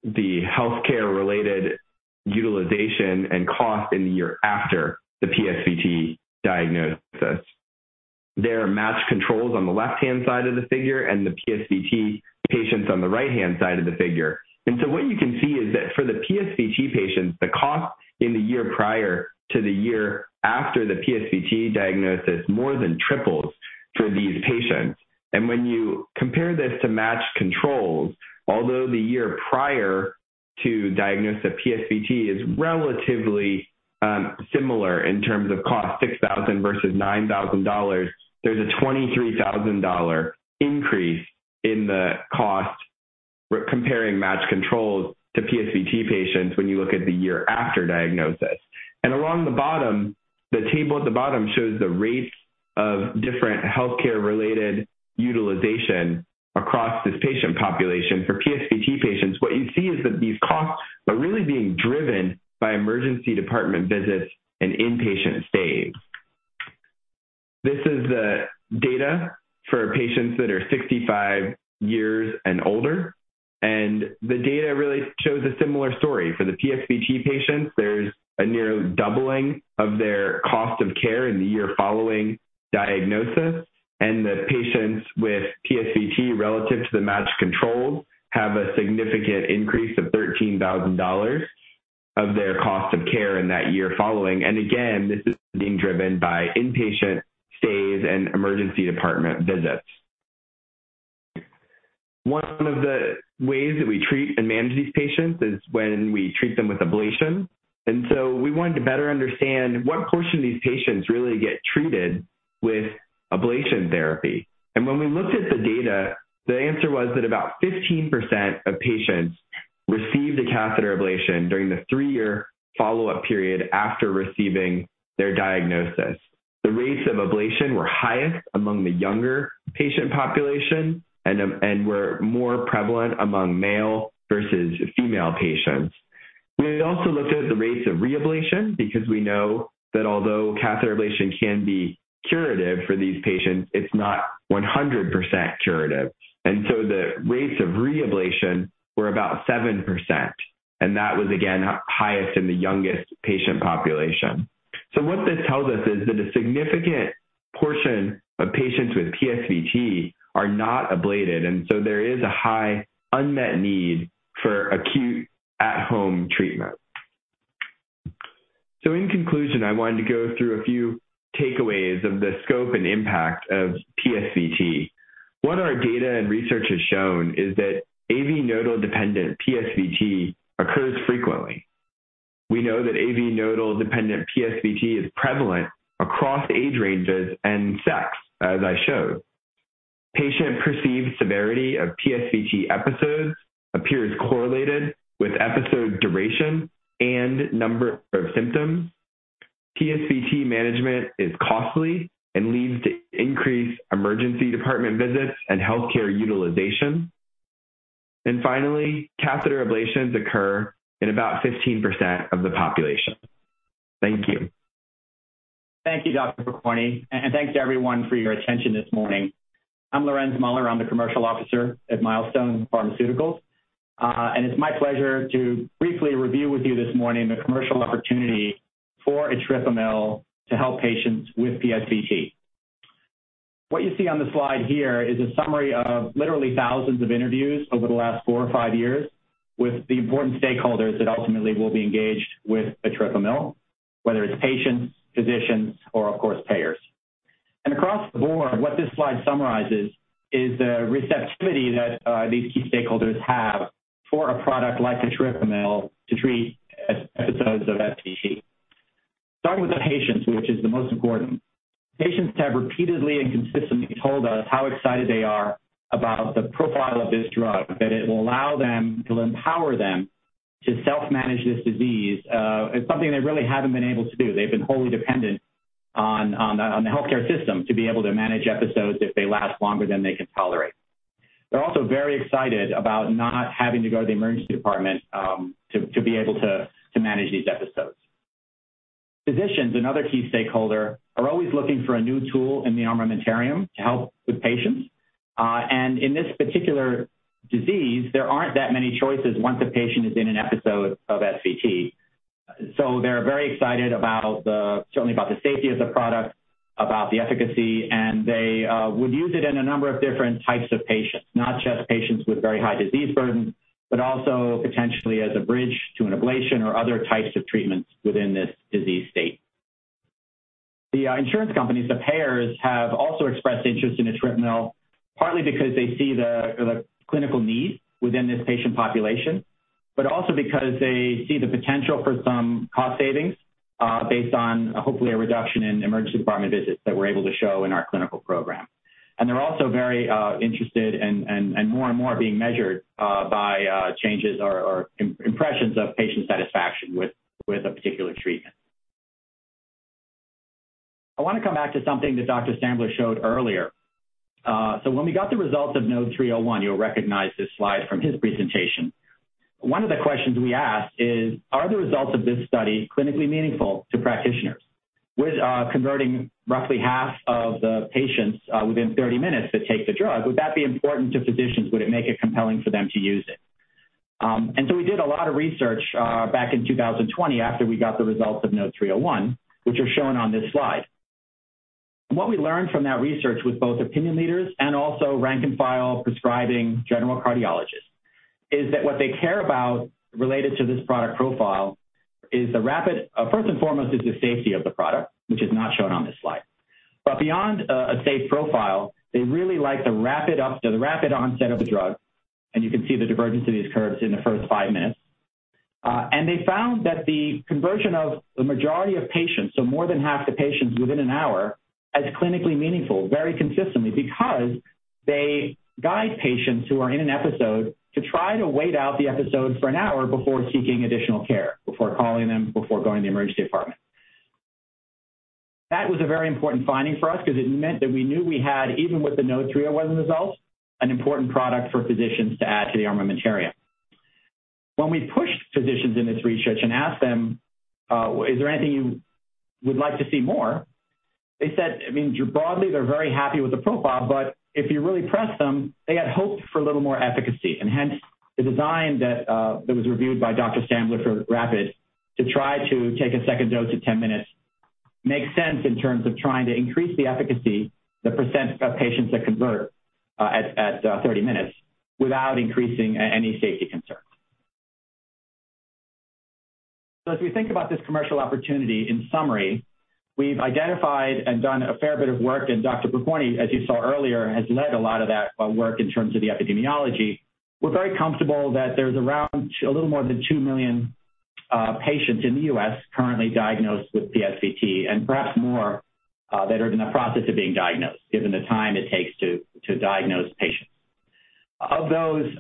the healthcare-related utilization and cost in the year after the PSVT diagnosis. There are matched controls on the left-hand side of the figure and the PSVT patients on the right-hand side of the figure. What you can see is that for the PSVT patients, the cost in the year prior to the year after the PSVT diagnosis more than triples for these patients. When you compare this to matched controls, although the year prior to diagnosis of PSVT is relatively similar in terms of cost, $6,000 versus $9,000, there's a $23,000 increase in the cost comparing matched controls to PSVT patients when you look at the year after diagnosis. Along the bottom, the table at the bottom shows the rates of different healthcare-related utilization across this patient population. For PSVT patients, what you see is that these costs are really being driven by emergency department visits and inpatient stays. This is the data for patients that are 65 years and older, and the data really shows a similar story. For the PSVT patients, there's a near doubling of their cost of care in the year following diagnosis, and the patients with PSVT relative to the matched controls have a significant increase of $13,000 of their cost of care in that year following. Again, this is being driven by inpatient stays and emergency department visits. One of the ways that we treat and manage these patients is when we treat them with ablation. We wanted to better understand what portion of these patients really get treated with ablation therapy. When we looked at the data, the answer was that about 15% of patients received a catheter ablation during the three-year follow-up period after receiving their diagnosis. The rates of ablation were highest among the younger patient population and were more prevalent among male versus female patients. We also looked at the rates of reablation because we know that although catheter ablation can be curative for these patients, it's not 100% curative. The rates of reablation were about 7%, and that was again highest in the youngest patient population. What this tells us is that a significant portion of patients with PSVT are not ablated, and so there is a high unmet need for acute at-home treatment. In conclusion, I wanted to go through a few takeaways of the scope and impact of PSVT. What our data and research has shown is that AV nodal dependent PSVT occurs frequently. We know that AV nodal dependent PSVT is prevalent across age ranges and sex, as I showed. Patient perceived severity of PSVT episodes appears correlated with episode duration and number of symptoms. PSVT management is costly and leads to increased emergency department visits and healthcare utilization. Finally, catheter ablations occur in about 15% of the population. Thank you. Thank you, Dr. Pokorney, and thanks to everyone for your attention this morning. I'm Lorenz Muller. I'm the Commercial Officer at Milestone Pharmaceuticals, and it's my pleasure to briefly review with you this morning the commercial opportunity for etripamil to help patients with PSVT. What you see on the slide here is a summary of literally thousands of interviews over the last four or five years with the important stakeholders that ultimately will be engaged with etripamil, whether it's patients, physicians or, of course, payers. Across the board, what this slide summarizes is the receptivity that these key stakeholders have for a product like etripamil to treat episodes of SVT. Starting with the patients, which is the most important. Patients have repeatedly and consistently told us how excited they are about the profile of this drug, that it will allow them to empower them to self-manage this disease, something they really haven't been able to do. They've been wholly dependent on the healthcare system to be able to manage episodes if they last longer than they can tolerate. They're also very excited about not having to go to the emergency department to be able to manage these episodes. Physicians, another key stakeholder, are always looking for a new tool in the armamentarium to help with patients. In this particular disease, there aren't that many choices once a patient is in an episode of SVT. They're very excited about the, certainly about the safety of the product, about the efficacy. They would use it in a number of different types of patients, not just patients with very high disease burden, but also potentially as a bridge to an ablation or other types of treatments within this disease state. The insurance companies, the payers, have also expressed interest in etripamil, partly because they see the clinical need within this patient population, but also because they see the potential for some cost savings, based on hopefully a reduction in emergency department visits that we're able to show in our clinical program. They're also very interested and more and more being measured by changes or impressions of patient satisfaction with a particular treatment. I wanna come back to something that Dr. Stambler showed earlier. When we got the results of NODE-301, you'll recognize this slide from his presentation. One of the questions we asked is, are the results of this study clinically meaningful to practitioners? With converting roughly half of the patients within 30 minutes that take the drug, would that be important to physicians? Would it make it compelling for them to use it? We did a lot of research back in 2020 after we got the results of NODE-301, which are shown on this slide. What we learned from that research with both opinion leaders and also rank and file prescribing general cardiologists is that what they care about related to this product profile is first and foremost the safety of the product, which is not shown on this slide. Beyond a safe profile, they really like the rapid onset of the drug, and you can see the divergence of these curves in the first five minutes. They found that the conversion of the majority of patients, so more than half the patients within 1 hour, as clinically meaningful very consistently because they guide patients who are in an episode to try to wait out the episode for 1 hour before seeking additional care, before calling them, before going to the emergency department. That was a very important finding for us because it meant that we knew we had, even with the NODE-301 results, an important product for physicians to add to the armamentarium. When we pushed physicians in this research and asked them, "Is there anything you would like to see more?" They said, I mean, broadly, they're very happy with the profile, but if you really press them, they had hoped for a little more efficacy. Hence, the design that was reviewed by Dr. Stambler for RAPID to try to take a second dose at 10 minutes makes sense in terms of trying to increase the efficacy, the percent of patients that convert at 30 minutes without increasing any safety concerns. As we think about this commercial opportunity, in summary, we've identified and done a fair bit of work, and Dr. Pokorney, as you saw earlier, has led a lot of that work in terms of the epidemiology. We're very comfortable that there's around a little more than 2 million patients in the U.S. currently diagnosed with PSVT and perhaps more that are in the process of being diagnosed, given the time it takes to diagnose patients. Of those,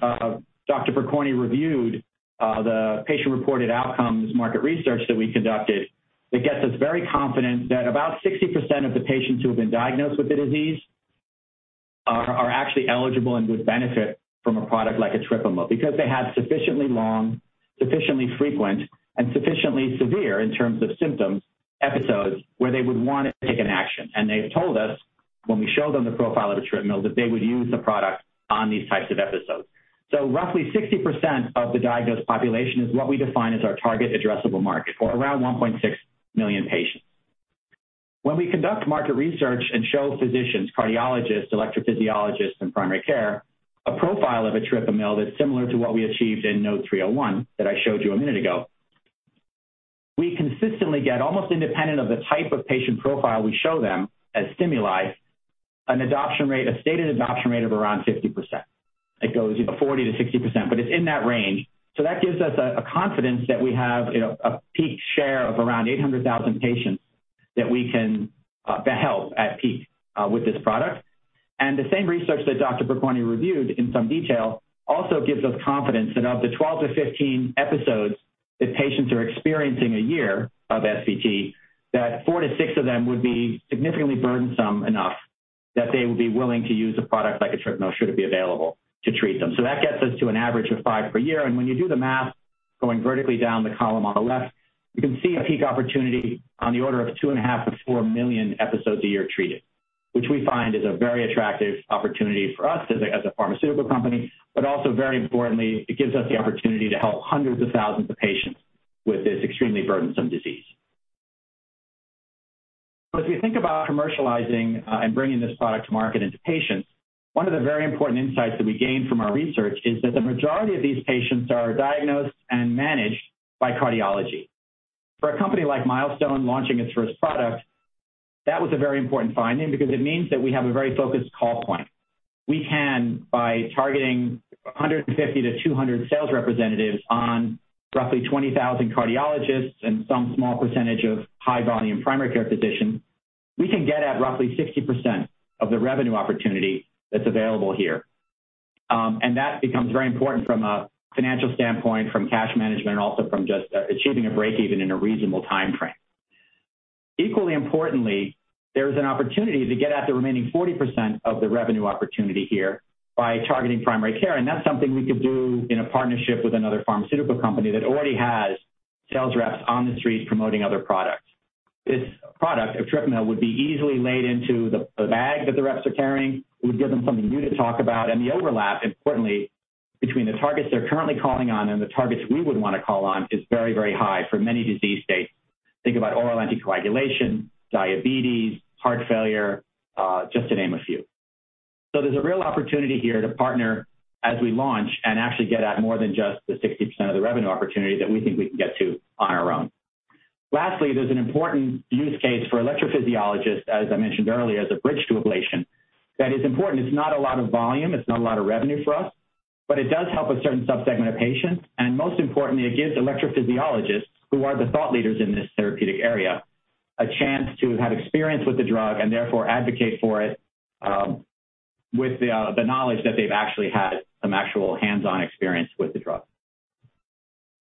Dr. Pokorney reviewed the patient reported outcomes market research that we conducted that gets us very confident that about 60% of the patients who have been diagnosed with the disease are actually eligible and would benefit from a product like etripamil because they have sufficiently long, sufficiently frequent, and sufficiently severe in terms of symptoms, episodes where they would wanna take an action. They've told us when we show them the profile of etripamil that they would use the product on these types of episodes. Roughly 60% of the diagnosed population is what we define as our target addressable market, or around 1.6 million patients. When we conduct market research and show physicians, cardiologists, electrophysiologists, and primary care a profile of etripamil that's similar to what we achieved in NODE-301 that I showed you a minute ago, we consistently get almost independent of the type of patient profile we show them as stimuli, an adoption rate, a stated adoption rate of around 50%. It goes, you know, 40%-60%, but it's in that range. That gives us a confidence that we have, you know, a peak share of around 800,000 patients that we can help at peak with this product. The same research that Dr. Pokorney reviewed in some detail also gives us confidence that of the 12-15 episodes that patients are experiencing a year of SVT, that four to six of them would be significantly burdensome enough that they would be willing to use a product like etripamil, should it be available to treat them. That gets us to an average of five per year. When you do the math, going vertically down the column on the left, you can see a peak opportunity on the order of 2.5 million-4 million episodes a year treated. Which we find is a very attractive opportunity for us as a pharmaceutical company. Also very importantly, it gives us the opportunity to help hundreds of thousands of patients with this extremely burdensome disease. As we think about commercializing and bringing this product to market and to patients, one of the very important insights that we gained from our research is that the majority of these patients are diagnosed and managed by cardiology. For a company like Milestone launching its first product, that was a very important finding because it means that we have a very focused call point. We can, by targeting 150-200 sales representatives on roughly 20,000 cardiologists and some small percentage of high-volume primary care physicians, we can get at roughly 60% of the revenue opportunity that's available here. That becomes very important from a financial standpoint, from cash management, and also from just achieving a break-even in a reasonable timeframe. Equally importantly, there's an opportunity to get at the remaining 40% of the revenue opportunity here by targeting primary care, and that's something we could do in a partnership with another pharmaceutical company that already has sales reps on the streets promoting other products. This product, etripamil, would be easily laid into the bag that the reps are carrying. It would give them something new to talk about. The overlap, importantly, between the targets they're currently calling on and the targets we would wanna call on is very, very high for many disease states. Think about oral anticoagulation, diabetes, heart failure, just to name a few. There's a real opportunity here to partner as we launch and actually get at more than just the 60% of the revenue opportunity that we think we can get to on our own. Lastly, there's an important use case for electrophysiologists, as I mentioned earlier, as a bridge to ablation. That is important. It's not a lot of volume, it's not a lot of revenue for us, but it does help a certain subsegment of patients. Most importantly, it gives electrophysiologists, who are the thought leaders in this therapeutic area, a chance to have experience with the drug and therefore advocate for it, with the knowledge that they've actually had some actual hands-on experience with the drug.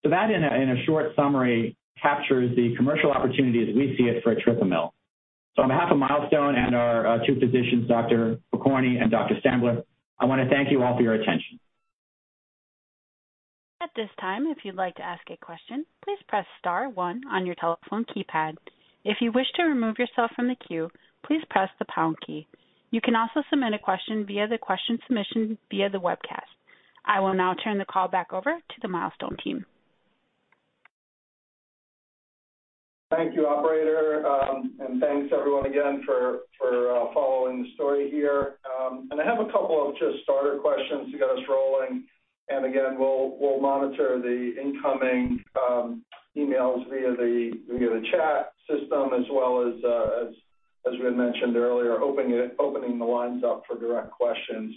That in a short summary captures the commercial opportunity as we see it for etripamil. On behalf of Milestone and our two physicians, Dr. Pokorney and Dr. Stambler, I wanna thank you all for your attention. At this time, if you'd like to ask a question, please press star one on your telephone keypad. If you wish to remove yourself from the queue, please press the pound key. You can also submit a question via the question submission via the webcast. I will now turn the call back over to the Milestone team. Thank you operator, and thanks everyone again for following the story here. I have a couple of just starter questions to get us rolling. Again, we'll monitor the incoming emails via the chat system as well as we had mentioned earlier, opening the lines up for direct questions.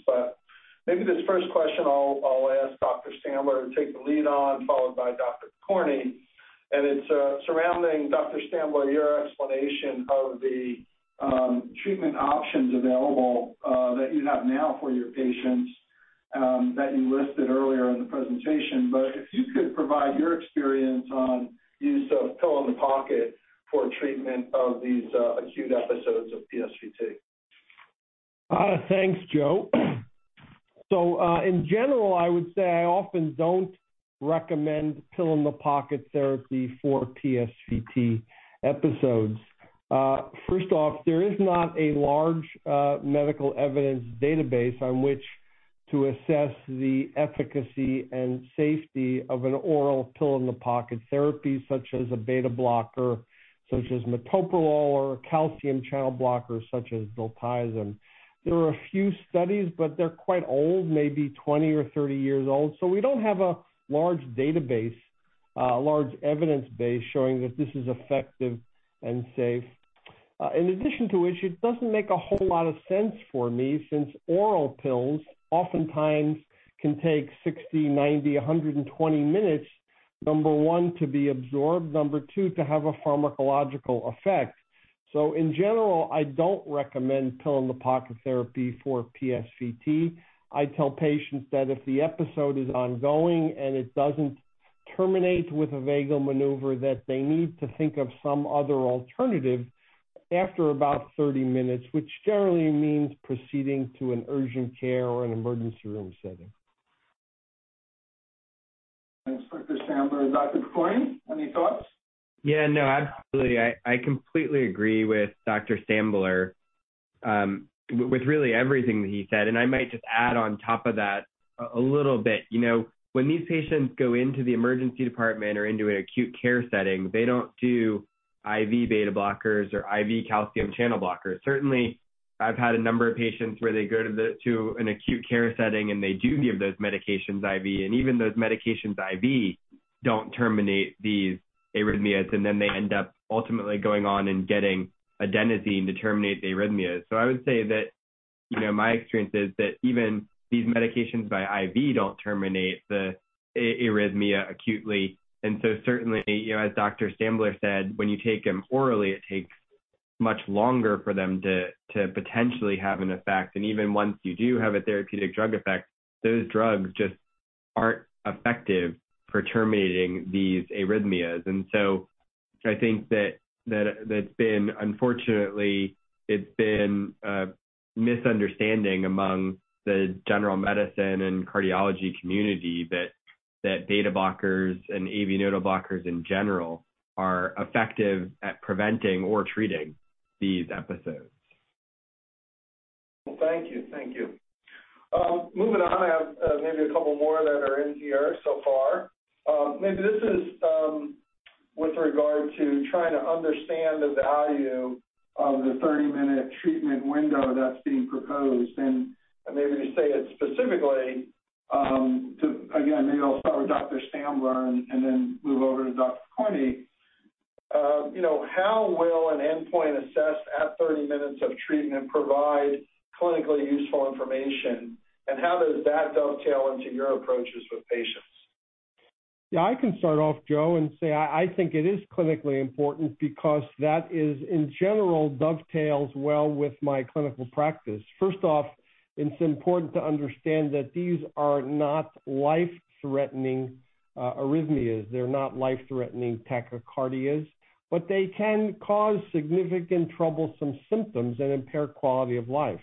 Maybe this first question I'll ask Dr. Stambler to take the lead on, followed by Dr. Pokorney. It's surrounding Dr. Stambler, your explanation of the treatment options available that you have now for your patients that you listed earlier in the presentation. If you could provide your experience on use of pill-in-the-pocket for treatment of these acute episodes of PSVT. Thanks, Joe. In general, I would say I often don't recommend pill-in-the-pocket therapy for PSVT episodes. First off, there is not a large, medical evidence database on which to assess the efficacy and safety of an oral pill-in-the-pocket therapy such as a beta blocker, such as metoprolol or a calcium channel blocker such as diltiazem. There are a few studies, but they're quite old, maybe 20 or 30 years old. We don't have a large database, a large evidence base showing that this is effective and safe. In addition to which, it doesn't make a whole lot of sense for me, since oral pills oftentimes can take 60, 90, 120 minutes, number one, to be absorbed, number two, to have a pharmacological effect. In general, I don't recommend pill-in-the-pocket therapy for PSVT. I tell patients that if the episode is ongoing and it doesn't terminate with a vagal maneuver, that they need to think of some other alternative after about 30 minutes, which generally means proceeding to an urgent care or an emergency room setting. Thanks, Dr. Stambler. Dr. Pokorney, any thoughts? Yeah, no, absolutely. I completely agree with Dr. Stambler with really everything that he said, and I might just add on top of that a little bit. You know, when these patients go into the emergency department or into an acute care setting, they don't do IV beta blockers or IV calcium channel blockers. Certainly, I've had a number of patients where they go to to an acute care setting, and they do give those medications IV, and even those medications IV don't terminate these arrhythmias. Then they end up ultimately going on and getting adenosine to terminate the arrhythmias. I would say that, you know, my experience is that even these medications by IV don't terminate the arrhythmia acutely. Certainly, you know, as Dr. Stambler said, when you take them orally, it takes much longer for them to potentially have an effect. Even once you do have a therapeutic drug effect, those drugs just aren't effective for terminating these arrhythmias. I think that's unfortunately been a misunderstanding among the general medicine and cardiology community that beta blockers and AV nodal blockers in general are effective at preventing or treating these episodes. Well, thank you. Thank you. Moving on. I have maybe a couple more that are in here so far. Maybe this is with regard to trying to understand the value of the 30-minute treatment window that's being proposed. Maybe to say it specifically, again, maybe I'll start with Dr. Stambler and then move over to Dr. Pokorney. You know, how will an endpoint assessed at 30 minutes of treatment provide clinically useful information, and how does that dovetail into your approaches with patients? Yeah, I can start off, Joe, and say I think it is clinically important because that is, in general, dovetails well with my clinical practice. First off, it's important to understand that these are not life-threatening arrhythmias. They're not life-threatening tachycardias, but they can cause significant troublesome symptoms and impair quality of life.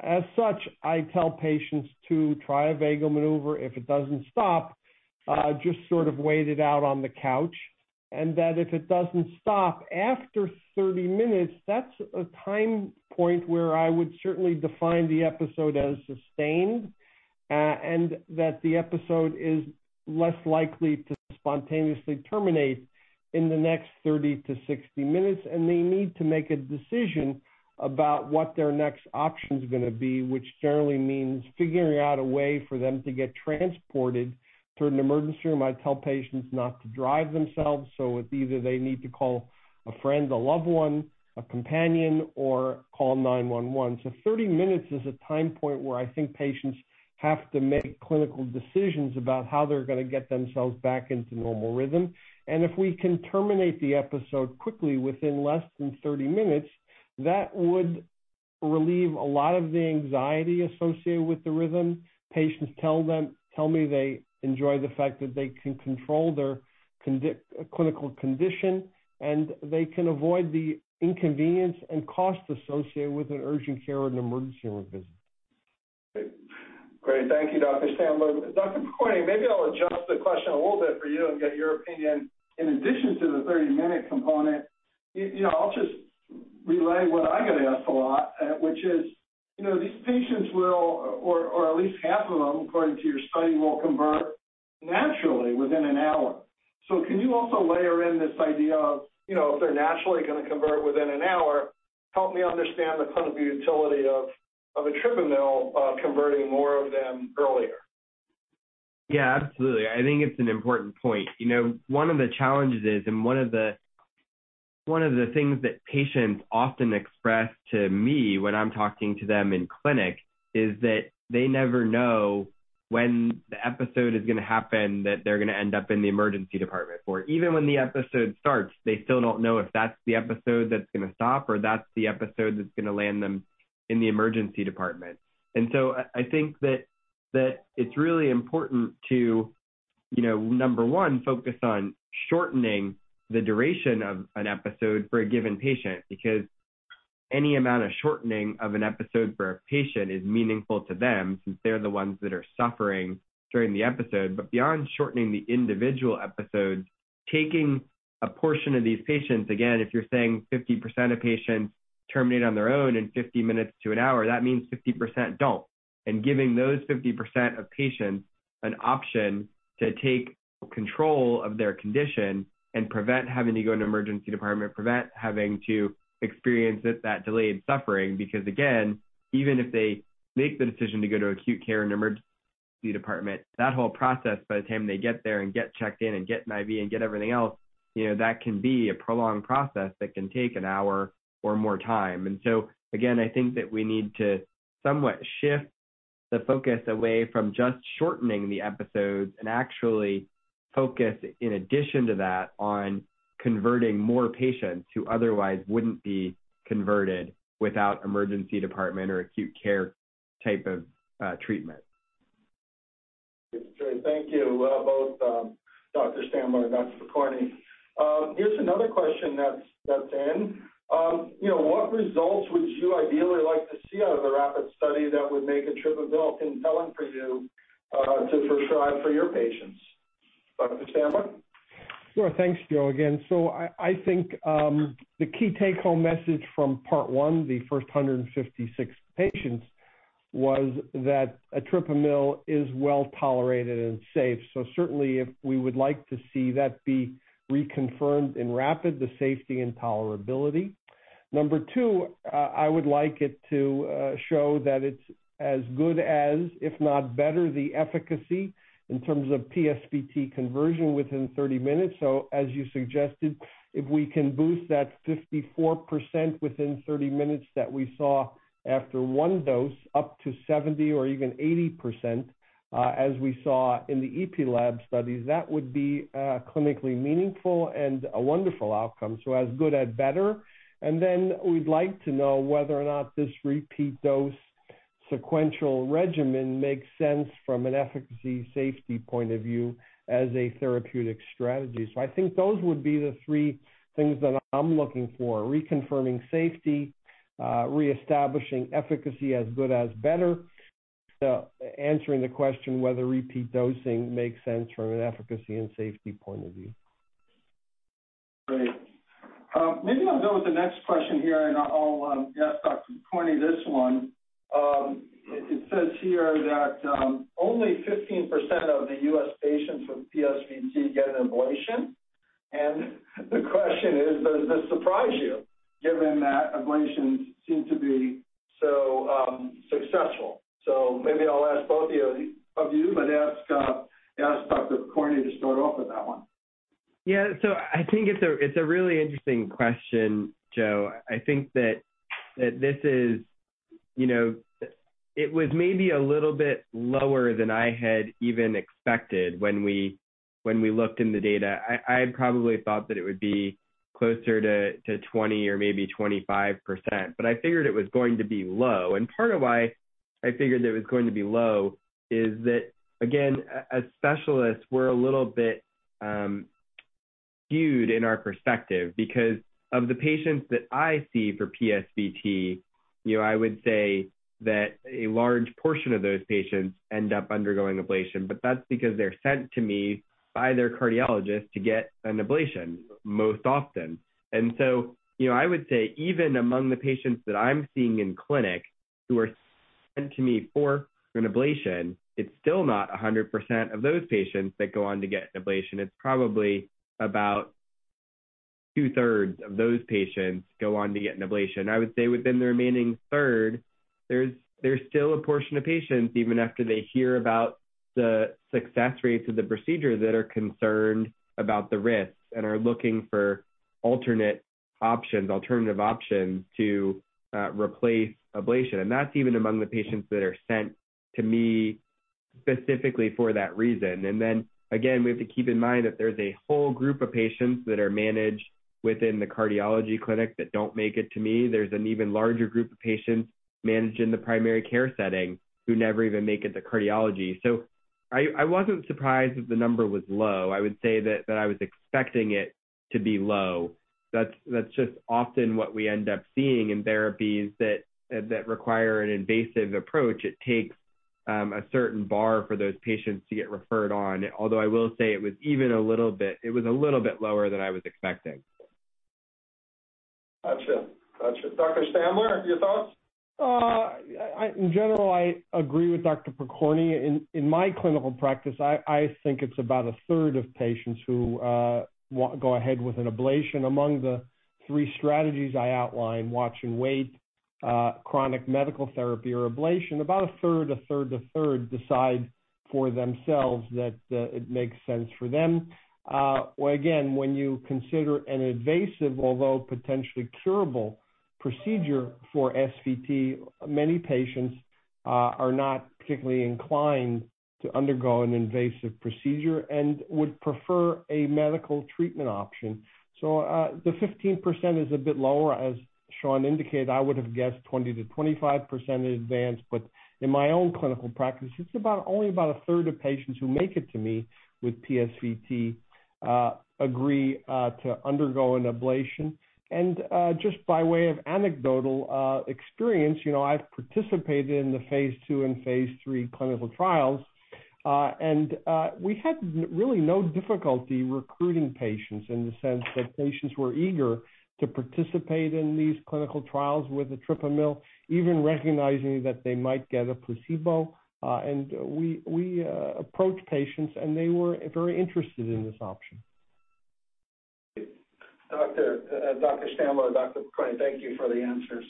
As such, I tell patients to try a vagal maneuver. If it doesn't stop, just sort of wait it out on the couch. If it doesn't stop after 30 minutes, that's a time point where I would certainly define the episode as sustained, and that the episode is less likely to spontaneously terminate in the next 30-60 minutes, and they need to make a decision about what their next option's gonna be, which generally means figuring out a way for them to get transported to an emergency room. I tell patients not to drive themselves, so it's either they need to call a friend, a loved one, a companion, or call 911. 30 minutes is a time point where I think patients have to make clinical decisions about how they're gonna get themselves back into normal rhythm. If we can terminate the episode quickly within less than 30 minutes, that would relieve a lot of the anxiety associated with the rhythm. Patients tell me they enjoy the fact that they can control their clinical condition, and they can avoid the inconvenience and cost associated with an urgent care and emergency room visit. Great. Thank you, Dr. Stambler. Dr. Pokorney, maybe I'll adjust the question a little bit for you and get your opinion. In addition to the 30-minute component, you know, I'll just relay what I get asked a lot, which is, you know, these patients will, or at least half of them, according to your study, will convert naturally within an hour. Can you also layer in this idea of, you know, if they're naturally gonna convert within an hour, help me understand the clinical utility of etripamil converting more of them earlier. Yeah, absolutely. I think it's an important point. You know, one of the challenges is one of the things that patients often express to me when I'm talking to them in clinic is that they never know when the episode is gonna happen that they're gonna end up in the emergency department. Or even when the episode starts, they still don't know if that's the episode that's gonna stop or that's the episode that's gonna land them in the emergency department. I think that it's really important to, you know, number one, focus on shortening the duration of an episode for a given patient because any amount of shortening of an episode for a patient is meaningful to them since they're the ones that are suffering during the episode. Beyond shortening the individual episodes, taking a portion of these patients, again, if you're saying 50% of patients terminate on their own in 50 minutes to an hour, that means 50% don't. Giving those 50% of patients an option to take control of their condition and prevent having to go to emergency department, prevent having to experience it, that delayed suffering because, again, even if they make the decision to go to acute care in the emergency department, that whole process by the time they get there and get checked in and get an IV and get everything else, you know, that can be a prolonged process that can take an hour or more time. Again, I think that we need to somewhat shift the focus away from just shortening the episodes and actually focus in addition to that on converting more patients who otherwise wouldn't be converted without emergency department or acute care type of treatment. That's great. Thank you, both Dr. Stambler and Dr. Pokorney. Here's another question that's in. You know, what results would you ideally like to see out of the RAPID study that would make etripamil compelling for you to prescribe for your patients? Dr. Stambler? Sure. Thanks, Joe, again. I think the key take-home message from part one, the first 156 patients, was that etripamil is well-tolerated and safe. Certainly, if we would like to see that be reconfirmed in RAPID, the safety and tolerability. Number two, I would like it to show that it's as good as, if not better, the efficacy in terms of PSVT conversion within 30 minutes. As you suggested, if we can boost that 54% within 30 minutes that we saw after one dose up to 70% or even 80%, as we saw in the EP lab studies, that would be clinically meaningful and a wonderful outcome, so as good as better. We'd like to know whether or not this repeat dose sequential regimen makes sense from an efficacy, safety point of view as a therapeutic strategy. I think those would be the three things that I'm looking for, reconfirming safety, reestablishing efficacy as good as better. Answering the question whether repeat dosing makes sense from an efficacy and safety point of view. Great. Maybe I'll go with the next question here, and I'll ask Dr. Pokorney this one. It says here that only 15% of the U.S. patients with PSVT get an ablation. The question is, does this surprise you given that ablations seem to be so successful? Maybe I'll ask both of you, but ask Dr. Pokorney to start off with that one. Yeah. I think it's a really interesting question, Joe. I think that this is, you know. It was maybe a little bit lower than I had even expected when we looked in the data. I probably thought that it would be closer to 20% or maybe 25%, but I figured it was going to be low. Part of why I figured it was going to be low is that, again, as specialists, we're a little bit skewed in our perspective because of the patients that I see for PSVT, you know, I would say that a large portion of those patients end up undergoing ablation. That's because they're sent to me by their cardiologist to get an ablation most often. You know, I would say even among the patients that I'm seeing in clinic who are sent to me for an ablation, it's still not 100% of those patients that go on to get an ablation. It's probably about 2/3 of those patients go on to get an ablation. I would say within the remaining 1/3, there's still a portion of patients, even after they hear about the success rates of the procedure, that are concerned about the risks and are looking for alternative options to replace ablation. That's even among the patients that are sent to me specifically for that reason. We have to keep in mind that there's a whole group of patients that are managed within the cardiology clinic that don't make it to me. There's an even larger group of patients managed in the primary care setting who never even make it to cardiology. I wasn't surprised that the number was low. I would say that I was expecting it to be low. That's just often what we end up seeing in therapies that require an invasive approach. It takes a certain bar for those patients to get referred on. Although, I will say it was even a little bit lower than I was expecting. Gotcha. Dr. Stambler, your thoughts? In general, I agree with Dr. Pokorney. In my clinical practice, I think it's about 1/3 of patients who go ahead with an ablation. Among the three strategies I outlined, watch and wait, chronic medical therapy or ablation, about 1/3 decide for themselves that it makes sense for them. Again, when you consider an invasive, although potentially curable procedure for SVT, many patients are not particularly inclined to undergo an invasive procedure and would prefer a medical treatment option. The 15% is a bit lower, as Sean indicated. I would've guessed 20%-25% in advance. In my own clinical practice, it's only about 1/3 of patients who make it to me with PSVT agree to undergo an ablation. Just by way of anecdotal experience, you know, I've participated in the phase II and phase III clinical trials. We had really no difficulty recruiting patients in the sense that patients were eager to participate in these clinical trials with etripamil, even recognizing that they might get a placebo. We approached patients, and they were very interested in this option. Dr. Stambler and Dr. Pokorney, thank you for the answers.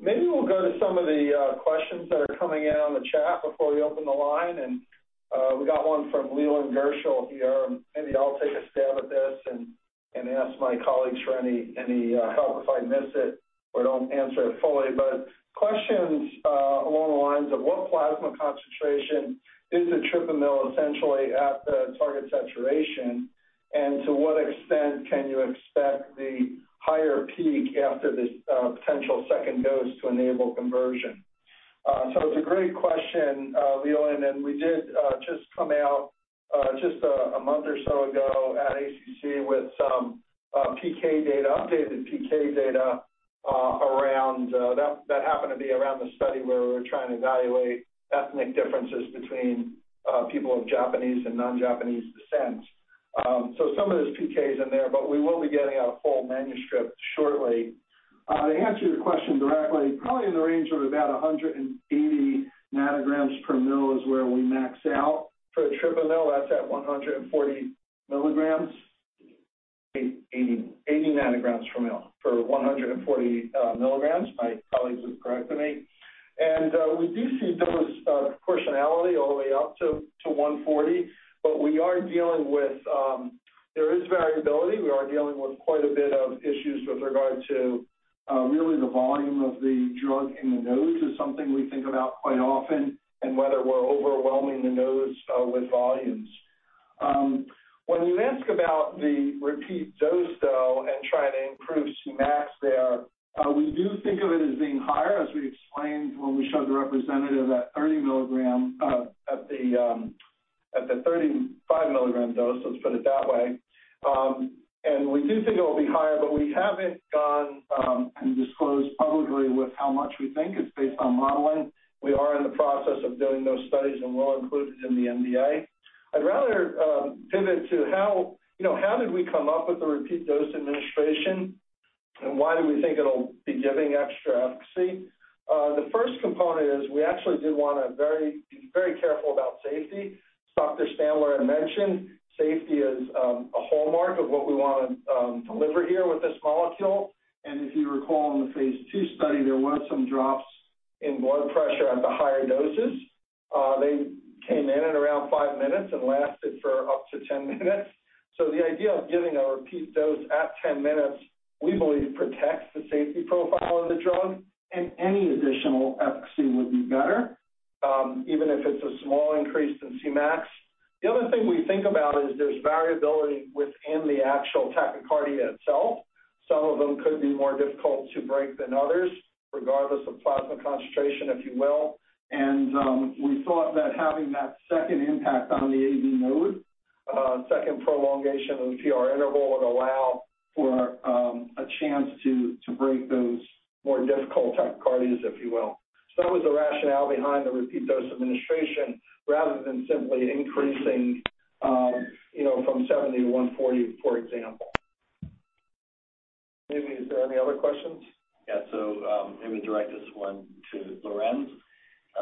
Maybe we'll go to some of the questions that are coming in on the chat before we open the line. We got one from Leland Gershell here. Maybe I'll take a stab at this and ask my colleagues for any help if I miss it or don't answer it fully. Questions along the lines of what plasma concentration is etripamil essentially at the target saturation, and to what extent can you expect the higher peak after this potential second dose to enable conversion? It's a great question, Leland, and we did just come out just a month or so ago at ACC with some PK data, updated PK data around that happened to be around the study where we were trying to evaluate ethnic differences between people of Japanese and non-Japanese descent. Some of those PK is in there, but we will be getting out a full manuscript shortly. To answer your question directly, probably in the range of about 180 ng/mL is where we max out. For etripamil, that's at 140 mg, 180 ng/mL for 140 mg. My colleagues will correct me. We do see dose proportionality all the way up to 140 mg. We are dealing with quite a bit of issues with regard to really the volume of the drug in the nose is something we think about quite often and whether we're overwhelming the nose with volumes. When you ask about the repeat dose, though, and trying to improve Cmax there, we do think of it as being higher, as we explained when we showed the representative at 30 mg, at the 35 mg dose. Let's put it that way. We do think it will be higher, but we haven't gone and disclosed publicly with how much we think it's based on modeling. We are in the process of doing those studies, and we'll include it in the NDA. I'd rather pivot to how, you know, how did we come up with the repeat dose administration, and why do we think it'll be giving extra efficacy? The first component is we actually did wanna be very careful about safety. As Dr. Stambler had mentioned, safety is a hallmark of what we wanna deliver here with this molecule. If you recall, in the phase II study, there were some drops in blood pressure at the higher doses. They came in at around five minutes and lasted for up to 10 minutes. The idea of giving a repeat dose at 10 minutes, we believe protects the safety profile of the drug, and any additional efficacy would be better, even if it's a small increase in Cmax. The other thing we think about is there's variability within the actual tachycardia itself. Some of them could be more difficult to break than others, regardless of plasma concentration, if you will. We thought that having that second impact on the AV node, second prolongation of the PR interval would allow for a chance to break those more difficult tachycardias, if you will. That was the rationale behind the repeat dose administration rather than simply increasing, you know, from 70 mg to 140 mg, for example. Maybe, is there any other questions? Yeah. Maybe direct this one to Lorenz.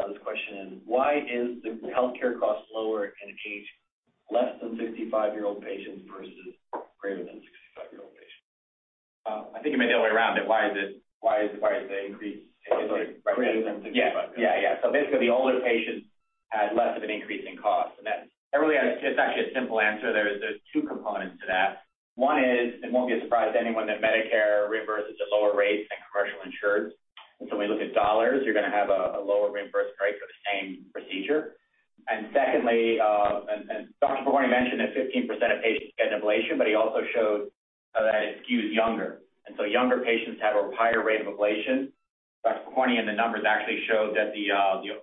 This question is, why is the healthcare cost lower in age less than 65-year-old patients versus greater than 65-year-old patients? I think you meant the other way around, why is the increase- Sorry. Greater than 65 year old patients. Basically, the older patients had less of an increase in cost. That's actually a simple answer. There are two components to that. One is, it won't be a surprise to anyone that Medicare reimburses at lower rates than commercial insurers. When you look at dollars, you're gonna have a lower reimbursement rate for the same procedure. Secondly, Dr. Pokorney mentioned that 15% of patients get an ablation, but he also showed that it skews younger. Younger patients have a higher rate of ablation. Dr. Pokorney in the numbers actually showed that the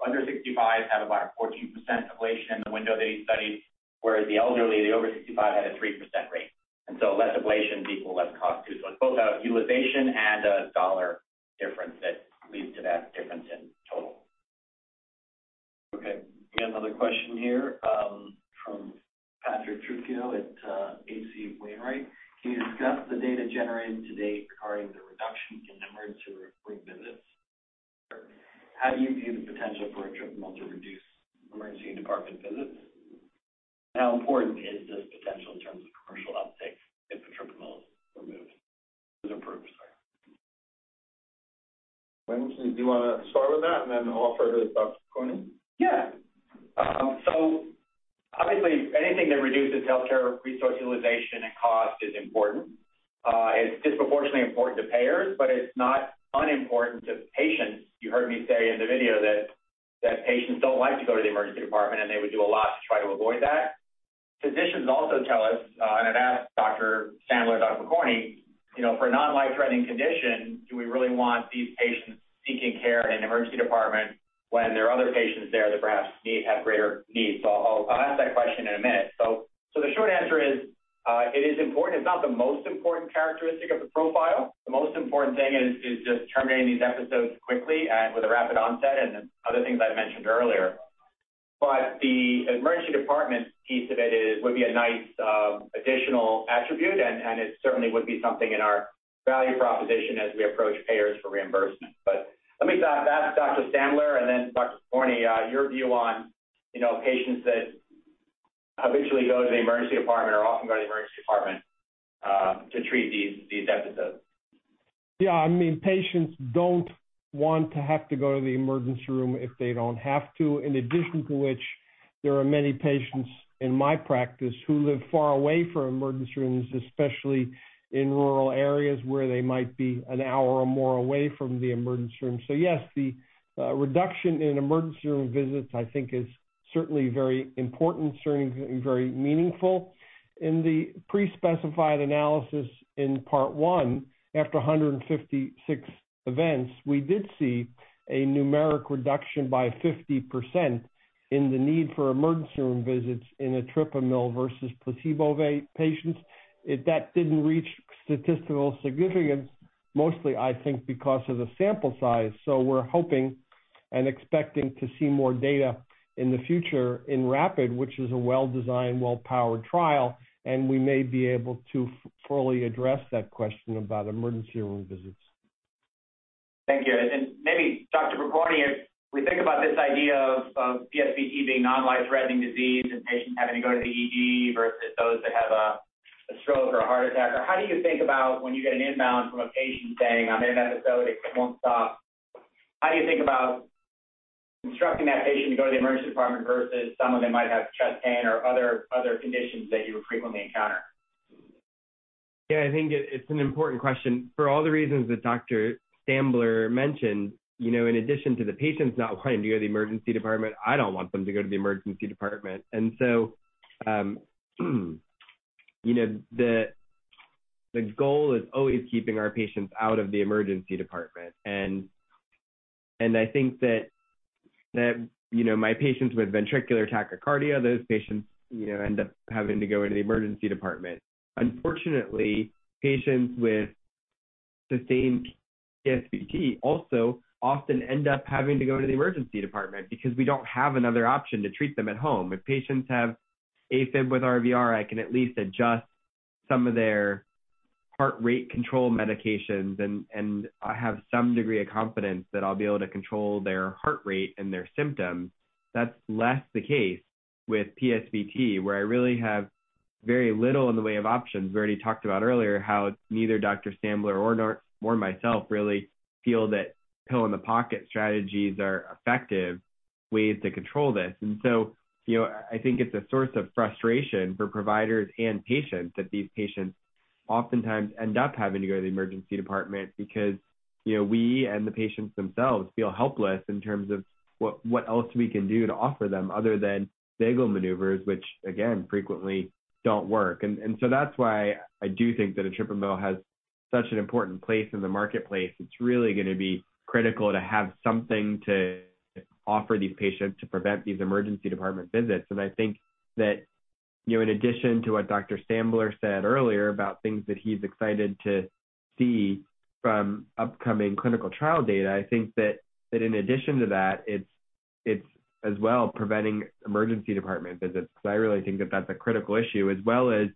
under 65 had about a 14% ablation in the window that he studied, whereas the elderly, the over 65, had a 3% rate. Less ablation equals less cost, too. It's both a utilization and a dollar difference that leads to that difference in total. Okay. We got another question here from Patrick Trucchio at H.C. Wainwright. Can you discuss the data generated to date regarding the reduction in emergency room visits? How do you view the potential for etripamil to reduce emergency department visits? How important is this potential in terms of commercial uptake if etripamil is approved, sorry? Lorenz, do you wanna start with that, and then I'll offer to Dr. Pokorney? Yeah. Obviously anything that reduces healthcare resource utilization and cost is important. It's disproportionately important to payers, but it's not unimportant to patients. You heard me say in the video that patients don't like to go to the emergency department, and they would do a lot to try to avoid that. Physicians also tell us, and I've asked Dr. Stambler and Dr. Pokorney, you know, for a non-life-threatening condition, do we really want these patients seeking care in an emergency department when there are other patients there that perhaps have greater needs? I'll ask that question in a minute. The short answer is, it is important. It's not the most important characteristic of the profile. The most important thing is just terminating these episodes quickly and with a rapid onset and the other things I've mentioned earlier. The emergency department piece of it would be a nice additional attribute, and it certainly would be something in our value proposition as we approach payers for reimbursement. Let me ask Dr. Stambler and then Dr. Pokorney your view on, you know, patients that habitually go to the emergency department or often go to the emergency department to treat these episodes. Yeah. I mean, patients don't want to have to go to the emergency room if they don't have to. In addition to which, there are many patients in my practice who live far away from emergency rooms, especially in rural areas where they might be an hour or more away from the emergency room. Yes, the reduction in emergency room visits, I think, is certainly very important, certainly very meaningful. In the pre-specified analysis in part one, after 156 events, we did see a numeric reduction by 50% in the need for emergency room visits in etripamil versus placebo-based patients. If that didn't reach statistical significance, mostly I think because of the sample size. We're hoping and expecting to see more data in the future in RAPID, which is a well-designed, well-powered trial, and we may be able to fully address that question about emergency room visits. Thank you. Then maybe Dr. Pokorney, if we think about this idea of PSVT being non-life-threatening disease and patients having to go to the ED versus those that have a stroke or a heart attack. How do you think about when you get an inbound from a patient saying, "I'm in an episode, it won't stop." How do you think about instructing that patient to go to the emergency department versus some of them might have chest pain or other conditions that you would frequently encounter? Yeah. I think it's an important question. For all the reasons that Dr. Stambler mentioned, you know, in addition to the patients not wanting to go to the emergency department, I don't want them to go to the emergency department. The goal is always keeping our patients out of the emergency department. I think that, you know, my patients with ventricular tachycardia, those patients, you know, end up having to go into the emergency department. Unfortunately, patients with sustained PSVT also often end up having to go to the emergency department because we don't have another option to treat them at home. If patients have AFib with RVR, I can at least adjust some of their heart rate control medications and I have some degree of confidence that I'll be able to control their heart rate and their symptoms. That's less the case with PSVT, where I really have very little in the way of options. We already talked about earlier how neither Dr. Stambler nor myself really feel that pill-in-the-pocket strategies are effective ways to control this. You know, I think it's a source of frustration for providers and patients that these patients oftentimes end up having to go to the emergency department because, you know, we and the patients themselves feel helpless in terms of what else we can do to offer them other than vagal maneuvers, which again, frequently don't work. That's why I do think that etripamil has such an important place in the marketplace. It's really gonna be critical to have something to offer these patients to prevent these emergency department visits. I think that, you know, in addition to what Dr. Stambler said earlier about things that he's excited to see from upcoming clinical trial data. I think that in addition to that, it's as well preventing emergency department visits. Because I really think that that's a critical issue as well as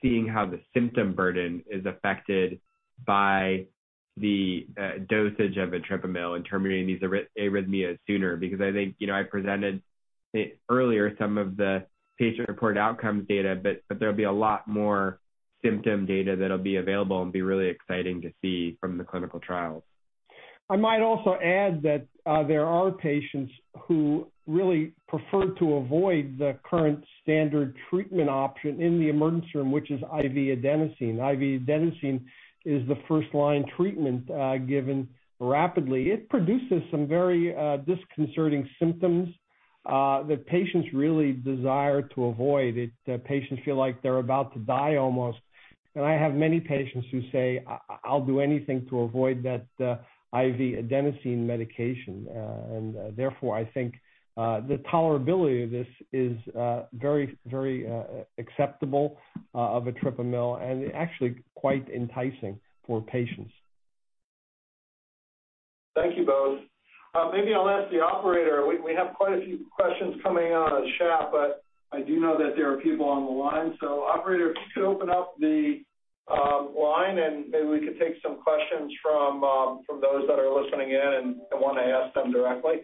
seeing how the symptom burden is affected by the dosage of etripamil in terminating these arrhythmias sooner. Because I think, you know, I presented earlier some of the patient-reported outcomes data, but there'll be a lot more symptom data that'll be available and be really exciting to see from the clinical trials. I might also add that, there are patients who really prefer to avoid the current standard treatment option in the emergency room, which is IV adenosine. IV adenosine is the first-line treatment, given rapidly. It produces some very disconcerting symptoms, that patients really desire to avoid. Patients feel like they're about to die almost. I have many patients who say, "I'll do anything to avoid that, IV adenosine medication." Therefore, I think, the tolerability of this is, very acceptable, of etripamil and actually quite enticing for patients. Thank you both. Maybe I'll ask the operator. We have quite a few questions coming on the chat, but I do know that there are people on the line. Operator, if you could open up the line, and maybe we could take some questions from those that are listening in and wanna ask them directly.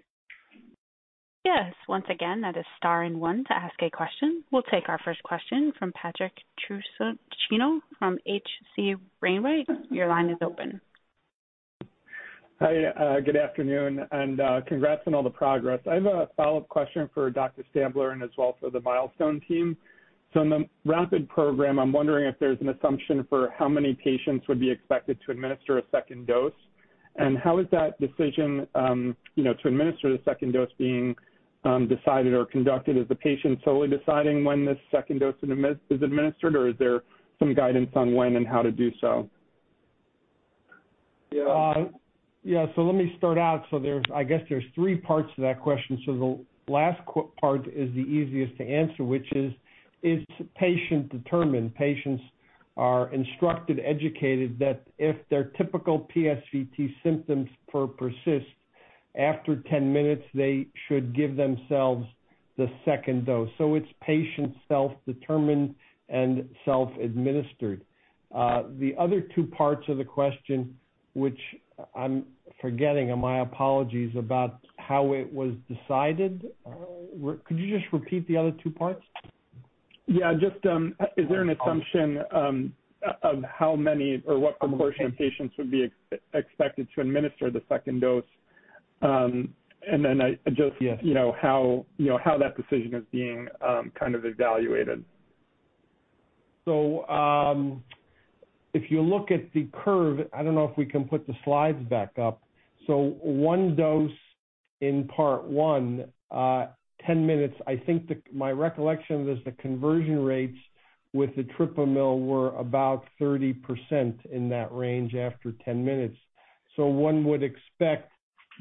Yes. Once again, that is star one to ask a question. We'll take our first question from Patrick Trucchio from H.C. Wainwright. Your line is open. Hi. Good afternoon, and congrats on all the progress. I have a follow-up question for Dr. Stambler and as well for the Milestone team. In the RAPID program, I'm wondering if there's an assumption for how many patients would be expected to administer a second dose, and how is that decision, you know, to administer the second dose being decided or conducted? Is the patient solely deciding when this second dose is administered, or is there some guidance on when and how to do so? Yeah. Let me start out. I guess there's three parts to that question. The last part is the easiest to answer, which is, it's patient determined. Patients are instructed, educated, that if their typical PSVT symptoms persist after 10 minutes, they should give themselves the second dose. It's patient self-determined and self-administered. The other two parts of the question, which I'm forgetting, and my apologies, about how it was decided. Could you just repeat the other two parts? Yeah. Just, is there an assumption of how many or what proportion of patients would be expected to administer the second dose? And then I just- Yes. You know, how that decision is being kind of evaluated. If you look at the curve. I don't know if we can put the slides back up. One dose in part one, 10 minutes. I think my recollection is the conversion rates with etripamil were about 30% in that range after 10 minutes. One would expect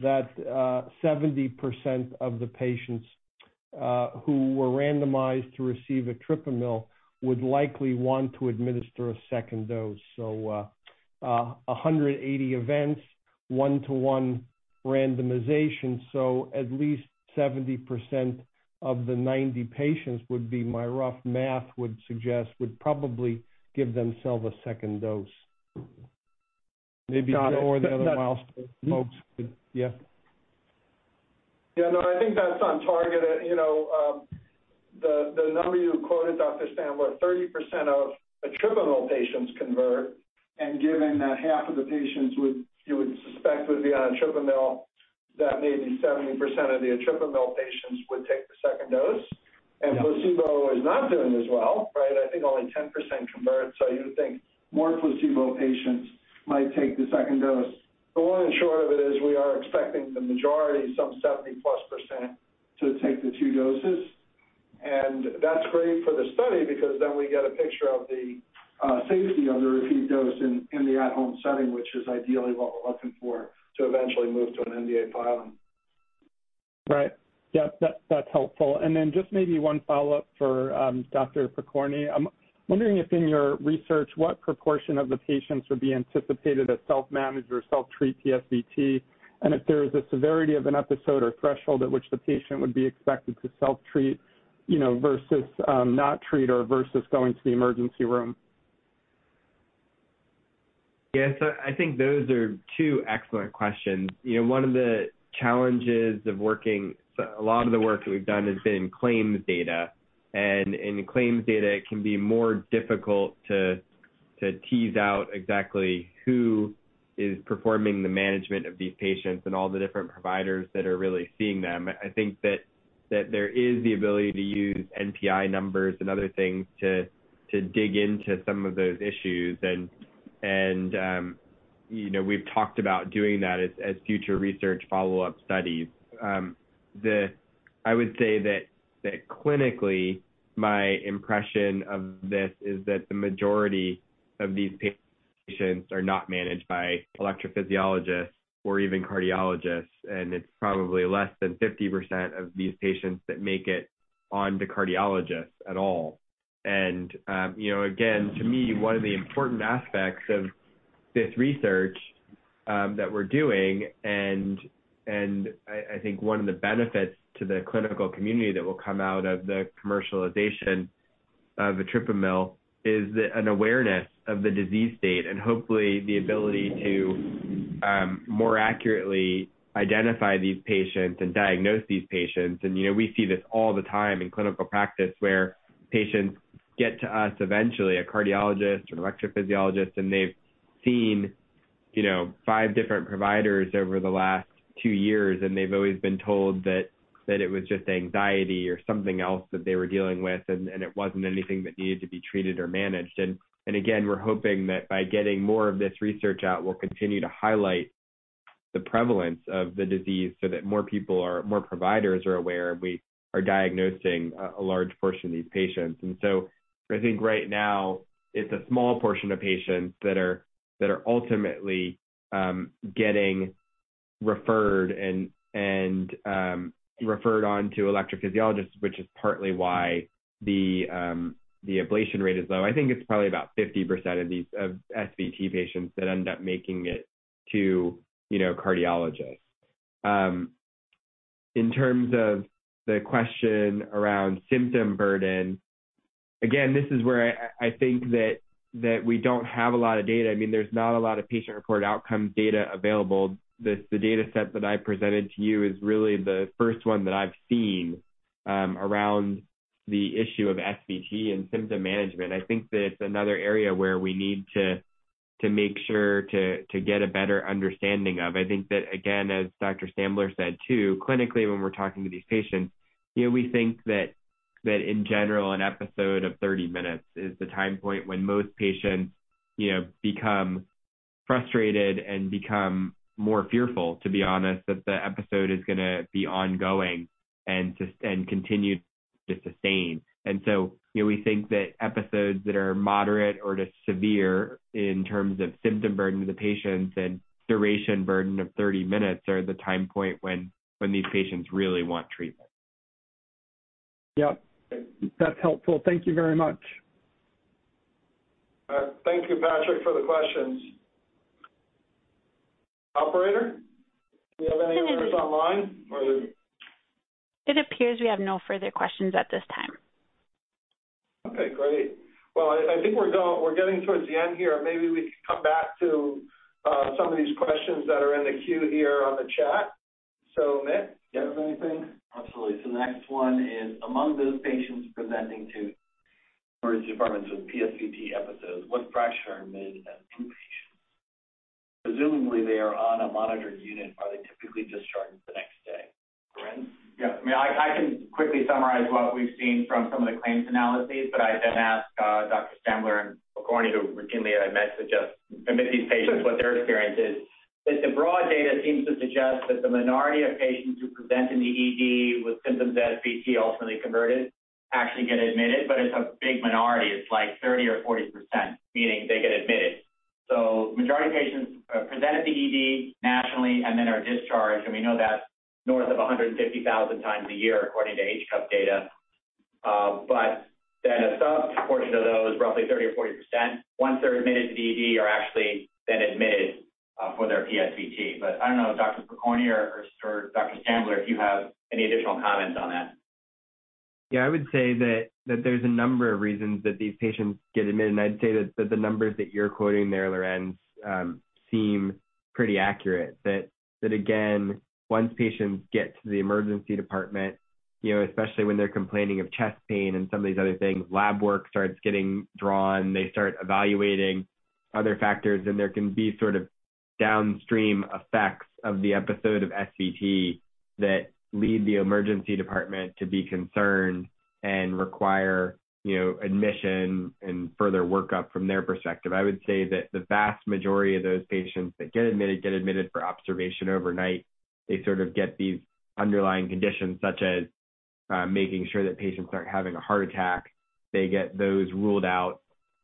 that, 180 events, 1:1 randomization, so at least 70% of the 90 patients would be, my rough math would suggest, would probably give themselves a second dose. Got it. Maybe know where the other Milestone folks could. Yeah. Yeah, no, I think that's on target. You know, the number you quoted, Dr. Stambler, 30% of etripamil patients convert, and given that half of the patients you would suspect would be on etripamil, that maybe 70% of the etripamil patients would take the second dose. Placebo is not doing as well, right? I think only 10% convert. So you would think more placebo patients might take the second dose. The long and short of it is we are expecting the majority, some 70%+ to take the two doses. That's great for the study because then we get a picture of the safety of the repeat dose in the at-home setting, which is ideally what we're looking for to eventually move to an NDA filing. Right. Yep. That's helpful. Then just maybe one follow-up for Dr. Pokorney. I'm wondering if in your research, what proportion of the patients would be anticipated to self-manage or self-treat PSVT? If there is a severity of an episode or threshold at which the patient would be expected to self-treat, you know, versus not treat or versus going to the emergency room. Yeah. I think those are two excellent questions. You know, one of the challenges of working., a lot of the work that we've done has been in claims data. In claims data, it can be more difficult to tease out exactly who is performing the management of these patients and all the different providers that are really seeing them. I think that there is the ability to use NPI numbers and other things to dig into some of those issues. You know, we've talked about doing that as future research follow-up studies. I would say that clinically, my impression of this is that the majority of these patients are not managed by electrophysiologists or even cardiologists, and it's probably less than 50% of these patients that make it on to cardiologists at all. You know, again, to me, one of the important aspects of this research that we're doing and I think one of the benefits to the clinical community that will come out of the commercialization of etripamil is an awareness of the disease state, and hopefully the ability to more accurately identify these patients and diagnose these patients. You know, we see this all the time in clinical practice where patients get to us eventually, a cardiologist, an electrophysiologist, and they've seen, you know, five different providers over the last two years, and they've always been told that it was just anxiety or something else that they were dealing with and it wasn't anything that needed to be treated or managed. Again, we're hoping that by getting more of this research out, we'll continue to highlight the prevalence of the disease so that more people or more providers are aware we are diagnosing a large portion of these patients. I think right now it's a small portion of patients that are ultimately getting referred and referred on to electrophysiologists, which is partly why the ablation rate is low. I think it's probably about 50% of these SVT patients that end up making it to, you know, cardiologists. In terms of the question around symptom burden, again, this is where I think that we don't have a lot of data. I mean, there's not a lot of patient-reported outcomes data available. The data set that I presented to you is really the first one that I've seen around the issue of SVT and symptom management. I think that it's another area where we need to make sure to get a better understanding of. I think that, again, as Dr. Stambler said, too, clinically, when we're talking to these patients, you know, we think that in general, an episode of 30 minutes is the time point when most patients, you know, become frustrated and become more fearful, to be honest, that the episode is gonna be ongoing and continue to sustain. We think that episodes that are moderate or just severe in terms of symptom burden to the patients and duration burden of 30 minutes are the time point when these patients really want treatment. Yeah. That's helpful. Thank you very much. All right. Thank you, Patrick, for the questions. Operator, do you have any others online or? It appears we have no further questions at this time. Okay, great. Well, I think we're getting towards the end here. Maybe we could come back to some of these questions that are in the queue here on the chat. Amit, do you have anything? Absolutely. The next one is: Among those patients presenting to emergency departments with PSVT episodes, what fraction are mid- and post-op patients? Presumably, they are on a monitored unit. Are they typically discharged the next day? Lorenz? I mean, I can quickly summarize what we've seen from some of the claims analyses, but I'd then ask Dr. Stambler and Pokorney, who routinely admit these patients what their experience is. The broad data seems to suggest that the minority of patients who present in the ED with symptoms of SVT ultimately converted, actually get admitted, but it's a big minority. It's like 30%-40%, meaning they get admitted. Majority of patients present at the ED nationally and then are discharged. We know that north of 150,000 times a year according to HCUP data. Then a subportion of those, roughly 30%-40% once they're admitted to the ED are actually then admitted for their PSVT. I don't know, Dr. Pokorney or Dr. Stambler, if you have any additional comments on that. Yeah. I would say that there's a number of reasons that these patients get admitted, and I'd say that the numbers that you're quoting there, Lorenz, seem pretty accurate. That again, once patients get to the emergency department, you know, especially when they're complaining of chest pain and some of these other things, lab work starts getting drawn. They start evaluating other factors, and there can be sort of downstream effects of the episode of SVT that lead the emergency department to be concerned and require, you know, admission and further workup from their perspective. I would say that the vast majority of those patients that get admitted, get admitted for observation overnight. They sort of get these underlying conditions, such as making sure that patients aren't having a heart attack. They get those ruled out,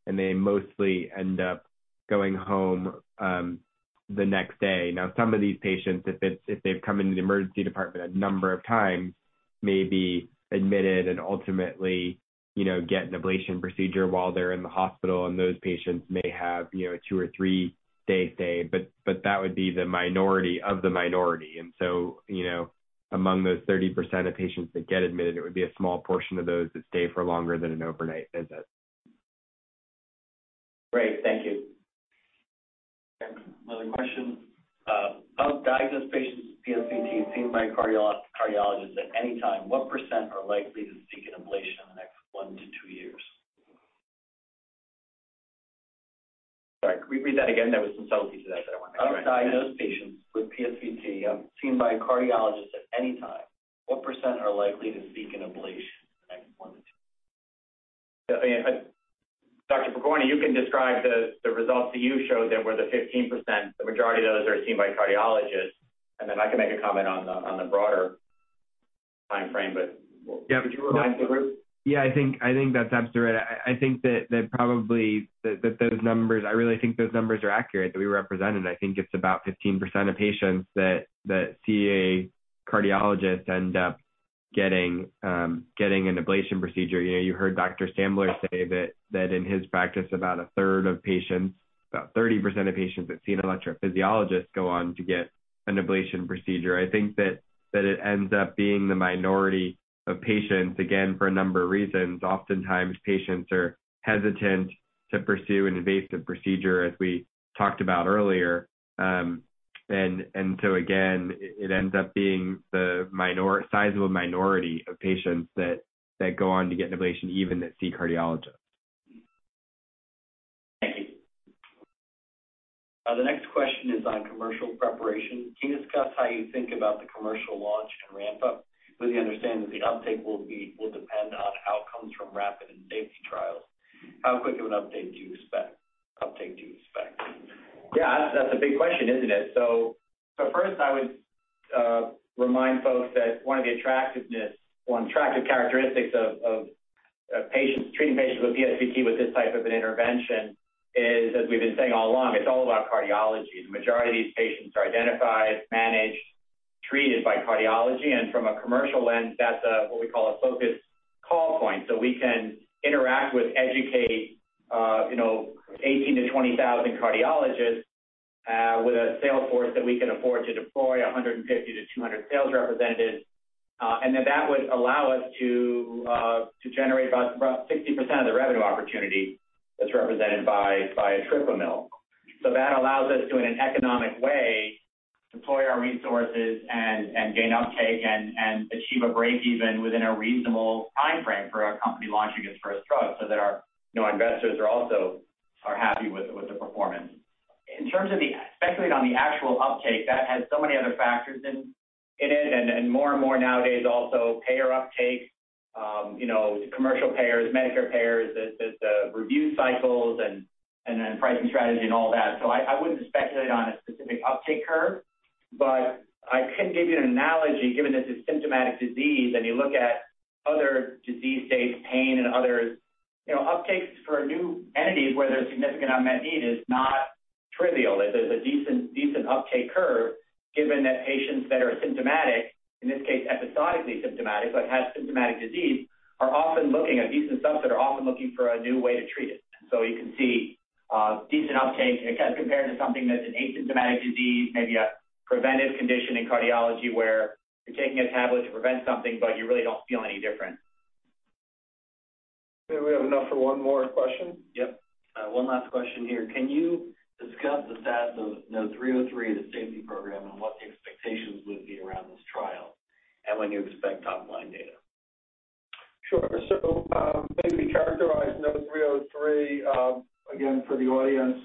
and they mostly end up going home the next day. Now some of these patients, if they've come into the emergency department a number of times, may be admitted and ultimately, you know, get an ablation procedure while they're in the hospital, and those patients may have, you know, a two or three day stay. That would be the minority of the minority. you know, among those 30% of patients that get admitted, it would be a small portion of those that stay for longer than an overnight visit. Great. Thank you. Another question. Of diagnosed patients with PSVT seen by a cardiologist at any time, what percent are likely to seek an ablation in the next one to two years? Sorry. Could we read that again? There was some subtlety to that that I wanna make sure I understand. Of diagnosed patients with PSVT seen by a cardiologist at any time, what percent are likely to seek an ablation in the next one to two years? Yeah. Dr. Pokorney, you can describe the results that you showed that were the 15%. The majority of those are seen by cardiologists, and then I can make a comment on the broader timeframe. Would you remind the group? Yeah. I think that's absolutely right. I think that probably those numbers—I really think those numbers are accurate that we represented. I think it's about 15% of patients that see a cardiologist end up getting an ablation procedure. You know, you heard Dr. Stambler say that in his practice about 1/3 of patients, about 30% of patients that see an electrophysiologist go on to get an ablation procedure. I think that it ends up being the minority of patients, again, for a number of reasons. Oftentimes patients are hesitant to pursue an invasive procedure, as we talked about earlier. It ends up being the sizable minority of patients that go on to get an ablation even that see cardiologists. Thank you. The next question is on commercial preparation. Can you discuss how you think about the commercial launch and ramp up with the understanding that the uptake will depend on outcomes from RAPID and safety trials? How quick of an uptake do you expect? That's a big question, isn't it? First, I would remind folks that one of the attractiveness or attractive characteristics of treating patients with PSVT with this type of an intervention is, as we've been saying all along, it's all about cardiology. The majority of these patients are identified, managed, treated by cardiology. From a commercial lens, that's what we call a focused call point. We can interact with, educate, you know, 18,000-20,000 cardiologists with a sales force that we can afford to deploy 150-200 sales representatives. Then that would allow us to generate about 60% of the revenue opportunity that's represented by etripamil. That allows us to, in an economic way, deploy our resources and gain uptake and achieve a break even within a reasonable timeframe for our company launching its first drug so that our, you know, investors are also happy with the performance. In terms of speculating on the actual uptake, that has so many other factors in it and more and more nowadays also payer uptake, you know, commercial payers, Medicare payers, the review cycles and then pricing strategy and all that. I wouldn't speculate on a specific uptake curve, but I can give you an analogy given this is symptomatic disease, and you look at other disease states, pain and others. You know, uptakes for new entities where there's significant unmet need is not trivial. There's a decent uptake curve given that patients that are symptomatic, in this case episodically symptomatic but have symptomatic disease, a decent subset are often looking for a new way to treat it. You can see decent uptake again compared to something that's an asymptomatic disease, maybe a preventive condition in cardiology where you're taking a tablet to prevent something, but you really don't feel any different. Okay. We have enough for one more question. Yep. One last question here. Can you discuss the status of NODE-303, the safety program, and what the expectations would be around this trial and when you expect top-line data? Sure. Maybe characterize NODE-303 again for the audience.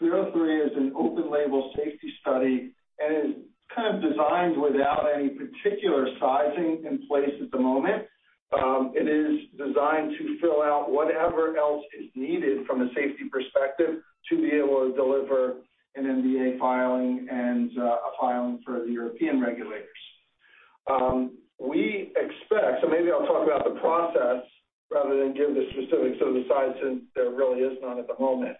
NODE-303 is an open-label safety study, and it's kind of designed without any particular sizing in place at the moment. It is designed to fill out whatever else is needed from a safety perspective to be able to deliver an NDA filing and a filing for the European regulators. Maybe I'll talk about the process rather than give the specifics of the size, since there really is none at the moment.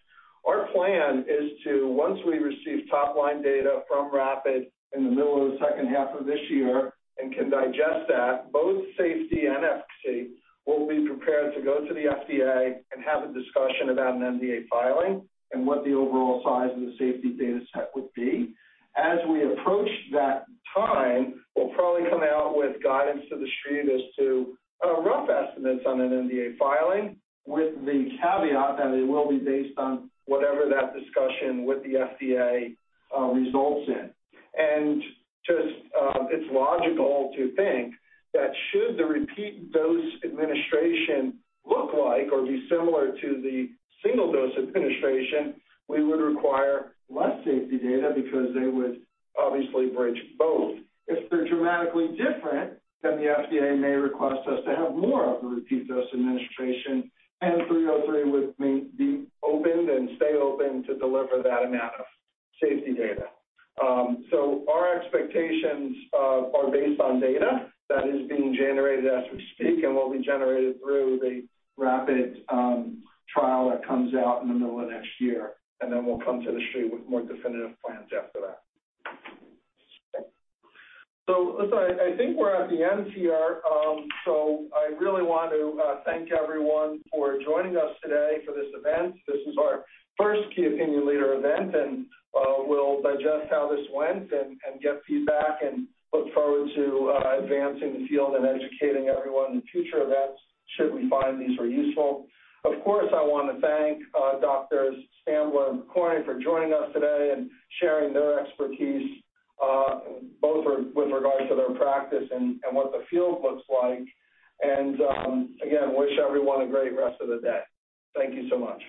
Our plan is to, once we receive top-line data from RAPID in the middle of the second half of this year and can digest that, both safety and efficacy, we'll be prepared to go to the FDA and have a discussion about an NDA filing and what the overall size of the safety data set would be. As we approach that time, we'll probably come out with guidance to the street as to rough estimates on an NDA filing with the caveat that it will be based on whatever that discussion with the FDA results in. It's logical to think that should the repeat dose administration look like or be similar to the single dose administration, we would require less safety data because they would obviously bridge both. If they're dramatically different, then the FDA may request us to have more of the repeat dose administration, and NODE-303 would be open and stay open to deliver that amount of safety data. Our expectations are based on data that is being generated as we speak and will be generated through the RAPID trial that comes out in the middle of next year. We'll come to the street with more definitive plans after that. Listen, I think we're at the end here. I really want to thank everyone for joining us today for this event. This is our first key opinion leader event, and we'll digest how this went and get feedback and look forward to advancing the field and educating everyone in future events should we find these are useful. Of course, I wanna thank Drs. Stambler and Pokorney for joining us today and sharing their expertise both with regards to their practice and what the field looks like. Again, I wish everyone a great rest of the day. Thank you so much.